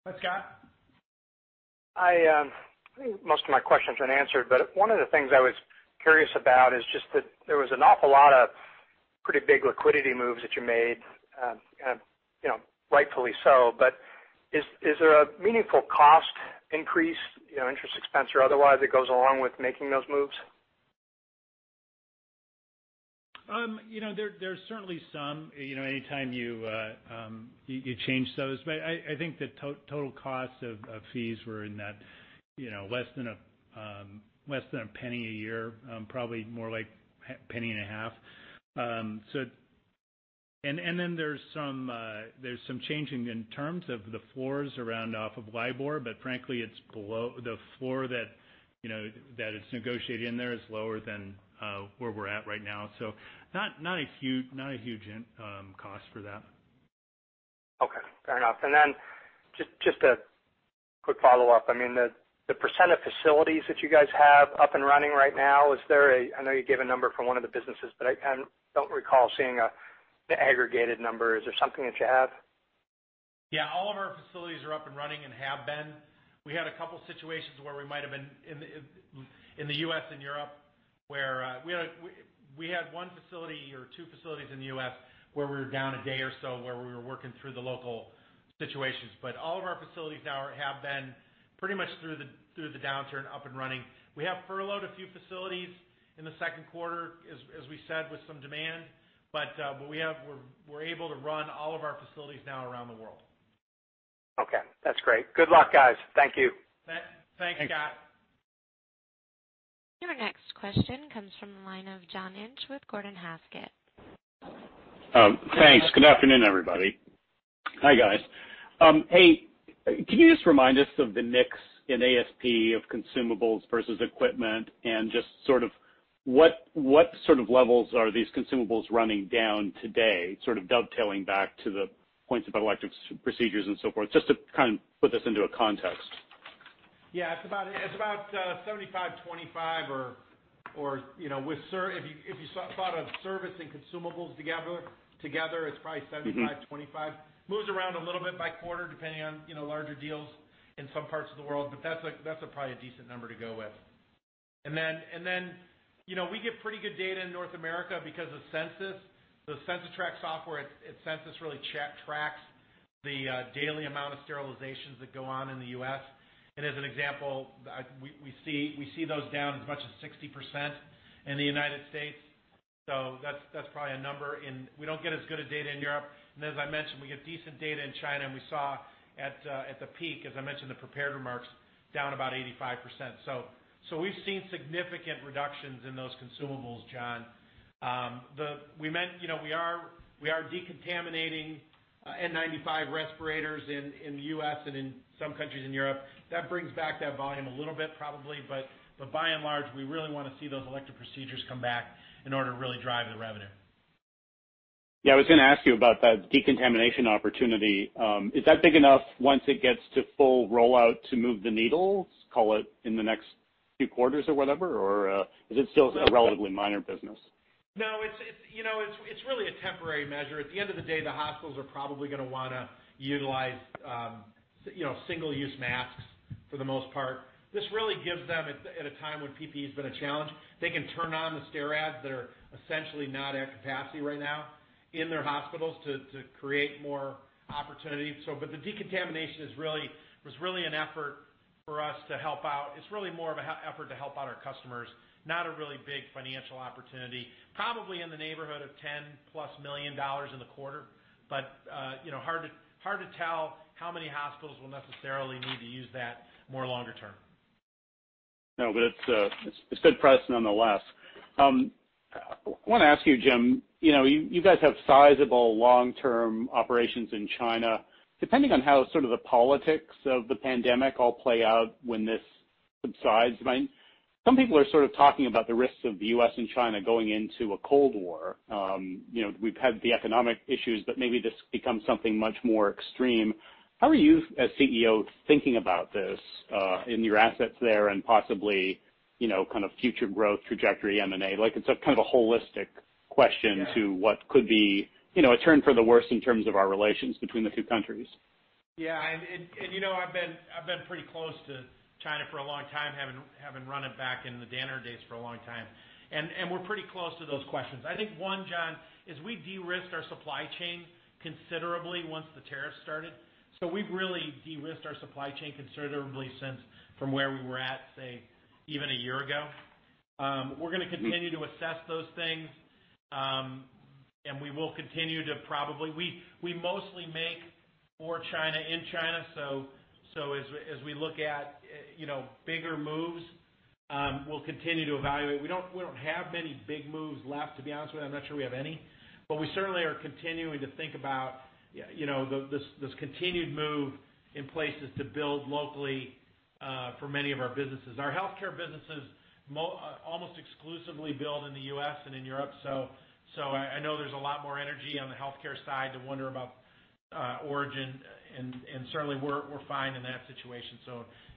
Hi, Scott. I think most of my questions are answered, but one of the things I was curious about is just that there was an awful lot of pretty big liquidity moves that you made, rightfully so, but is there a meaningful cost increase, interest expense or otherwise, that goes along with making those moves? There's certainly some, anytime you change those. I think the total cost of fees were in that less than a penny a year, probably more like a penny and a half. There's some changing in terms of the floors around off of LIBOR, but frankly, the floor that is negotiated in there is lower than where we're at right now. Not a huge cost for that. Okay. Fair enough. Then just a quick follow-up. The % of facilities that you guys have up and running right now, I know you gave a number for one of the businesses, but I don't recall seeing the aggregated number. Is there something that you have? Yeah, all of our facilities are up and running and have been. We had a couple situations where we might have been in the U.S. and Europe where we had one facility or two facilities in the U.S. where we were down a day or so where we were working through the local situations. All of our facilities now have been pretty much through the downturn up and running. We have furloughed a few facilities in the second quarter, as we said, with some demand, but we're able to run all of our facilities now around the world. Okay. That's great. Good luck, guys. Thank you. Thanks, Scott. Your next question comes from the line of John Inch with Gordon Haskett. Thanks. Good afternoon, everybody. Hi, guys. Can you just remind us of the mix in ASP of consumables versus equipment and just what sort of levels are these consumables running down today, sort of dovetailing back to the points about elective procedures and so forth, just to kind of put this into a context? Yeah. It's about 75/25 or if you thought of service and consumables together, it's probably 75/25. Moves around a little bit by quarter, depending on larger deals in some parts of the world, but that's probably a decent number to go with. Then, we get pretty good data in North America because of Censis, the CensiTrac software at Censis really tracks the daily amount of sterilizations that go on in the U.S. As an example, we see those down as much as 60% in the United States, so that's probably a number. We don't get as good a data in Europe. As I mentioned, we get decent data in China, and we saw at the peak, as I mentioned in the prepared remarks, down about 85%. We've seen significant reductions in those consumables, John. We are decontaminating N95 respirators in the U.S. and in some countries in Europe. That brings back that volume a little bit, probably, but by and large, we really want to see those elective procedures come back in order to really drive the revenue. Yeah, I was going to ask you about that decontamination opportunity. Is that big enough once it gets to full rollout to move the needle, call it in the next few quarters or whatever? Or is it still a relatively minor business? It's really a temporary measure. At the end of the day, the hospitals are probably going to want to utilize single-use masks for the most part. This really gives them at a time when PPE has been a challenge, they can turn on the STERRADs that are essentially not at capacity right now in their hospitals to create more opportunity. The decontamination was really an effort for us to help out. It's really more of an effort to help out our customers, not a really big financial opportunity. Probably in the neighborhood of $10+ million in the quarter, hard to tell how many hospitals will necessarily need to use that more longer term. No, but it's good press nonetheless. I want to ask you, Jim, you guys have sizable long-term operations in China. Depending on how sort of the politics of the pandemic all play out when this subsides, some people are sort of talking about the risks of the U.S. and China going into a Cold War. We've had the economic issues, but maybe this becomes something much more extreme. How are you, as CEO, thinking about this in your assets there and possibly kind of future growth trajectory, M&A? It's a kind of a holistic question to what could be a turn for the worse in terms of our relations between the two countries. I've been pretty close to China for a long time, having run it back in the Danaher days for a long time. We're pretty close to those questions. I think one, John, is we de-risked our supply chain considerably once the tariffs started. We've really de-risked our supply chain considerably since from where we were at, say, even a year ago. We're going to continue to assess those things, and we will continue to mostly make for China, in China. As we look at bigger moves, we'll continue to evaluate. We don't have many big moves left, to be honest with you. I'm not sure we have any. We certainly are continuing to think about this continued move in places to build locally for many of our businesses. Our healthcare businesses almost exclusively build in the U.S. and in Europe. I know there's a lot more energy on the healthcare side to wonder about origin, and certainly, we're fine in that situation.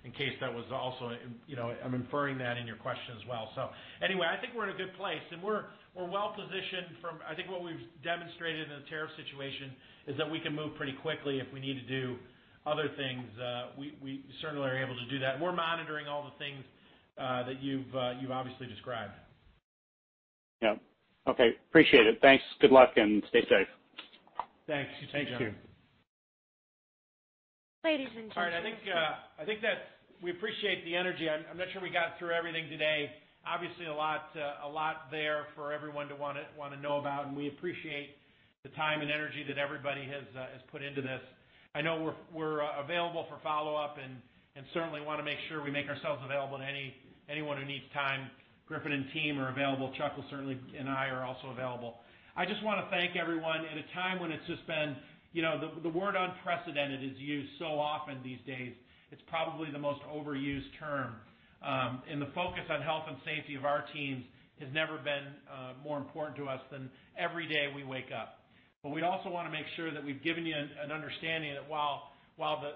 In case that was also, I'm inferring that in your question as well. Anyway, I think we're in a good place, and we're well-positioned. I think what we've demonstrated in the tariff situation is that we can move pretty quickly if we need to do other things. We certainly are able to do that, and we're monitoring all the things that you've obviously described. Yep. Okay. Appreciate it. Thanks. Good luck, and stay safe. Thanks to you, John. Thank you. Ladies and gentlemen. I think that we appreciate the energy. I'm not sure we got through everything today. Obviously, a lot there for everyone to want to know about, and we appreciate the time and energy that everybody has put into this. I know we're available for follow-up and certainly want to make sure we make ourselves available to anyone who needs time. Griffin and team are available. Chuck will certainly, and I are also available. I just want to thank everyone at a time when it's just been. The word unprecedented is used so often these days. It's probably the most overused term. The focus on health and safety of our teams has never been more important to us than every day we wake up. We also want to make sure that we've given you an understanding that while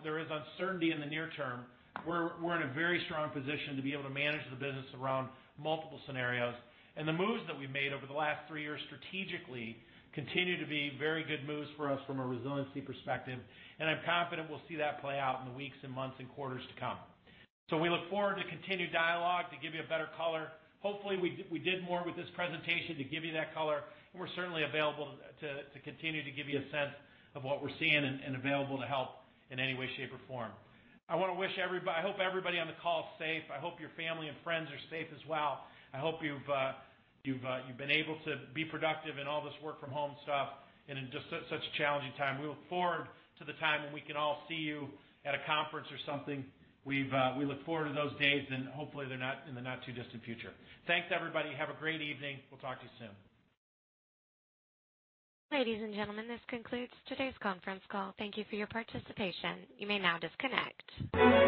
there is uncertainty in the near term, we're in a very strong position to be able to manage the business around multiple scenarios. The moves that we've made over the last three years strategically continue to be very good moves for us from a resiliency perspective, and I'm confident we'll see that play out in the weeks and months and quarters to come. We look forward to continued dialogue to give you a better color. Hopefully, we did more with this presentation to give you that color, and we're certainly available to continue to give you a sense of what we're seeing and available to help in any way, shape, or form. I hope everybody on the call is safe. I hope your family and friends are safe as well. I hope you've been able to be productive in all this work from home stuff and in just such a challenging time. We look forward to the time when we can all see you at a conference or something. We look forward to those days, and hopefully, in the not too distant future. Thanks, everybody. Have a great evening. We'll talk to you soon. Ladies and gentlemen, this concludes today's conference call. Thank you for your participation. You may now disconnect.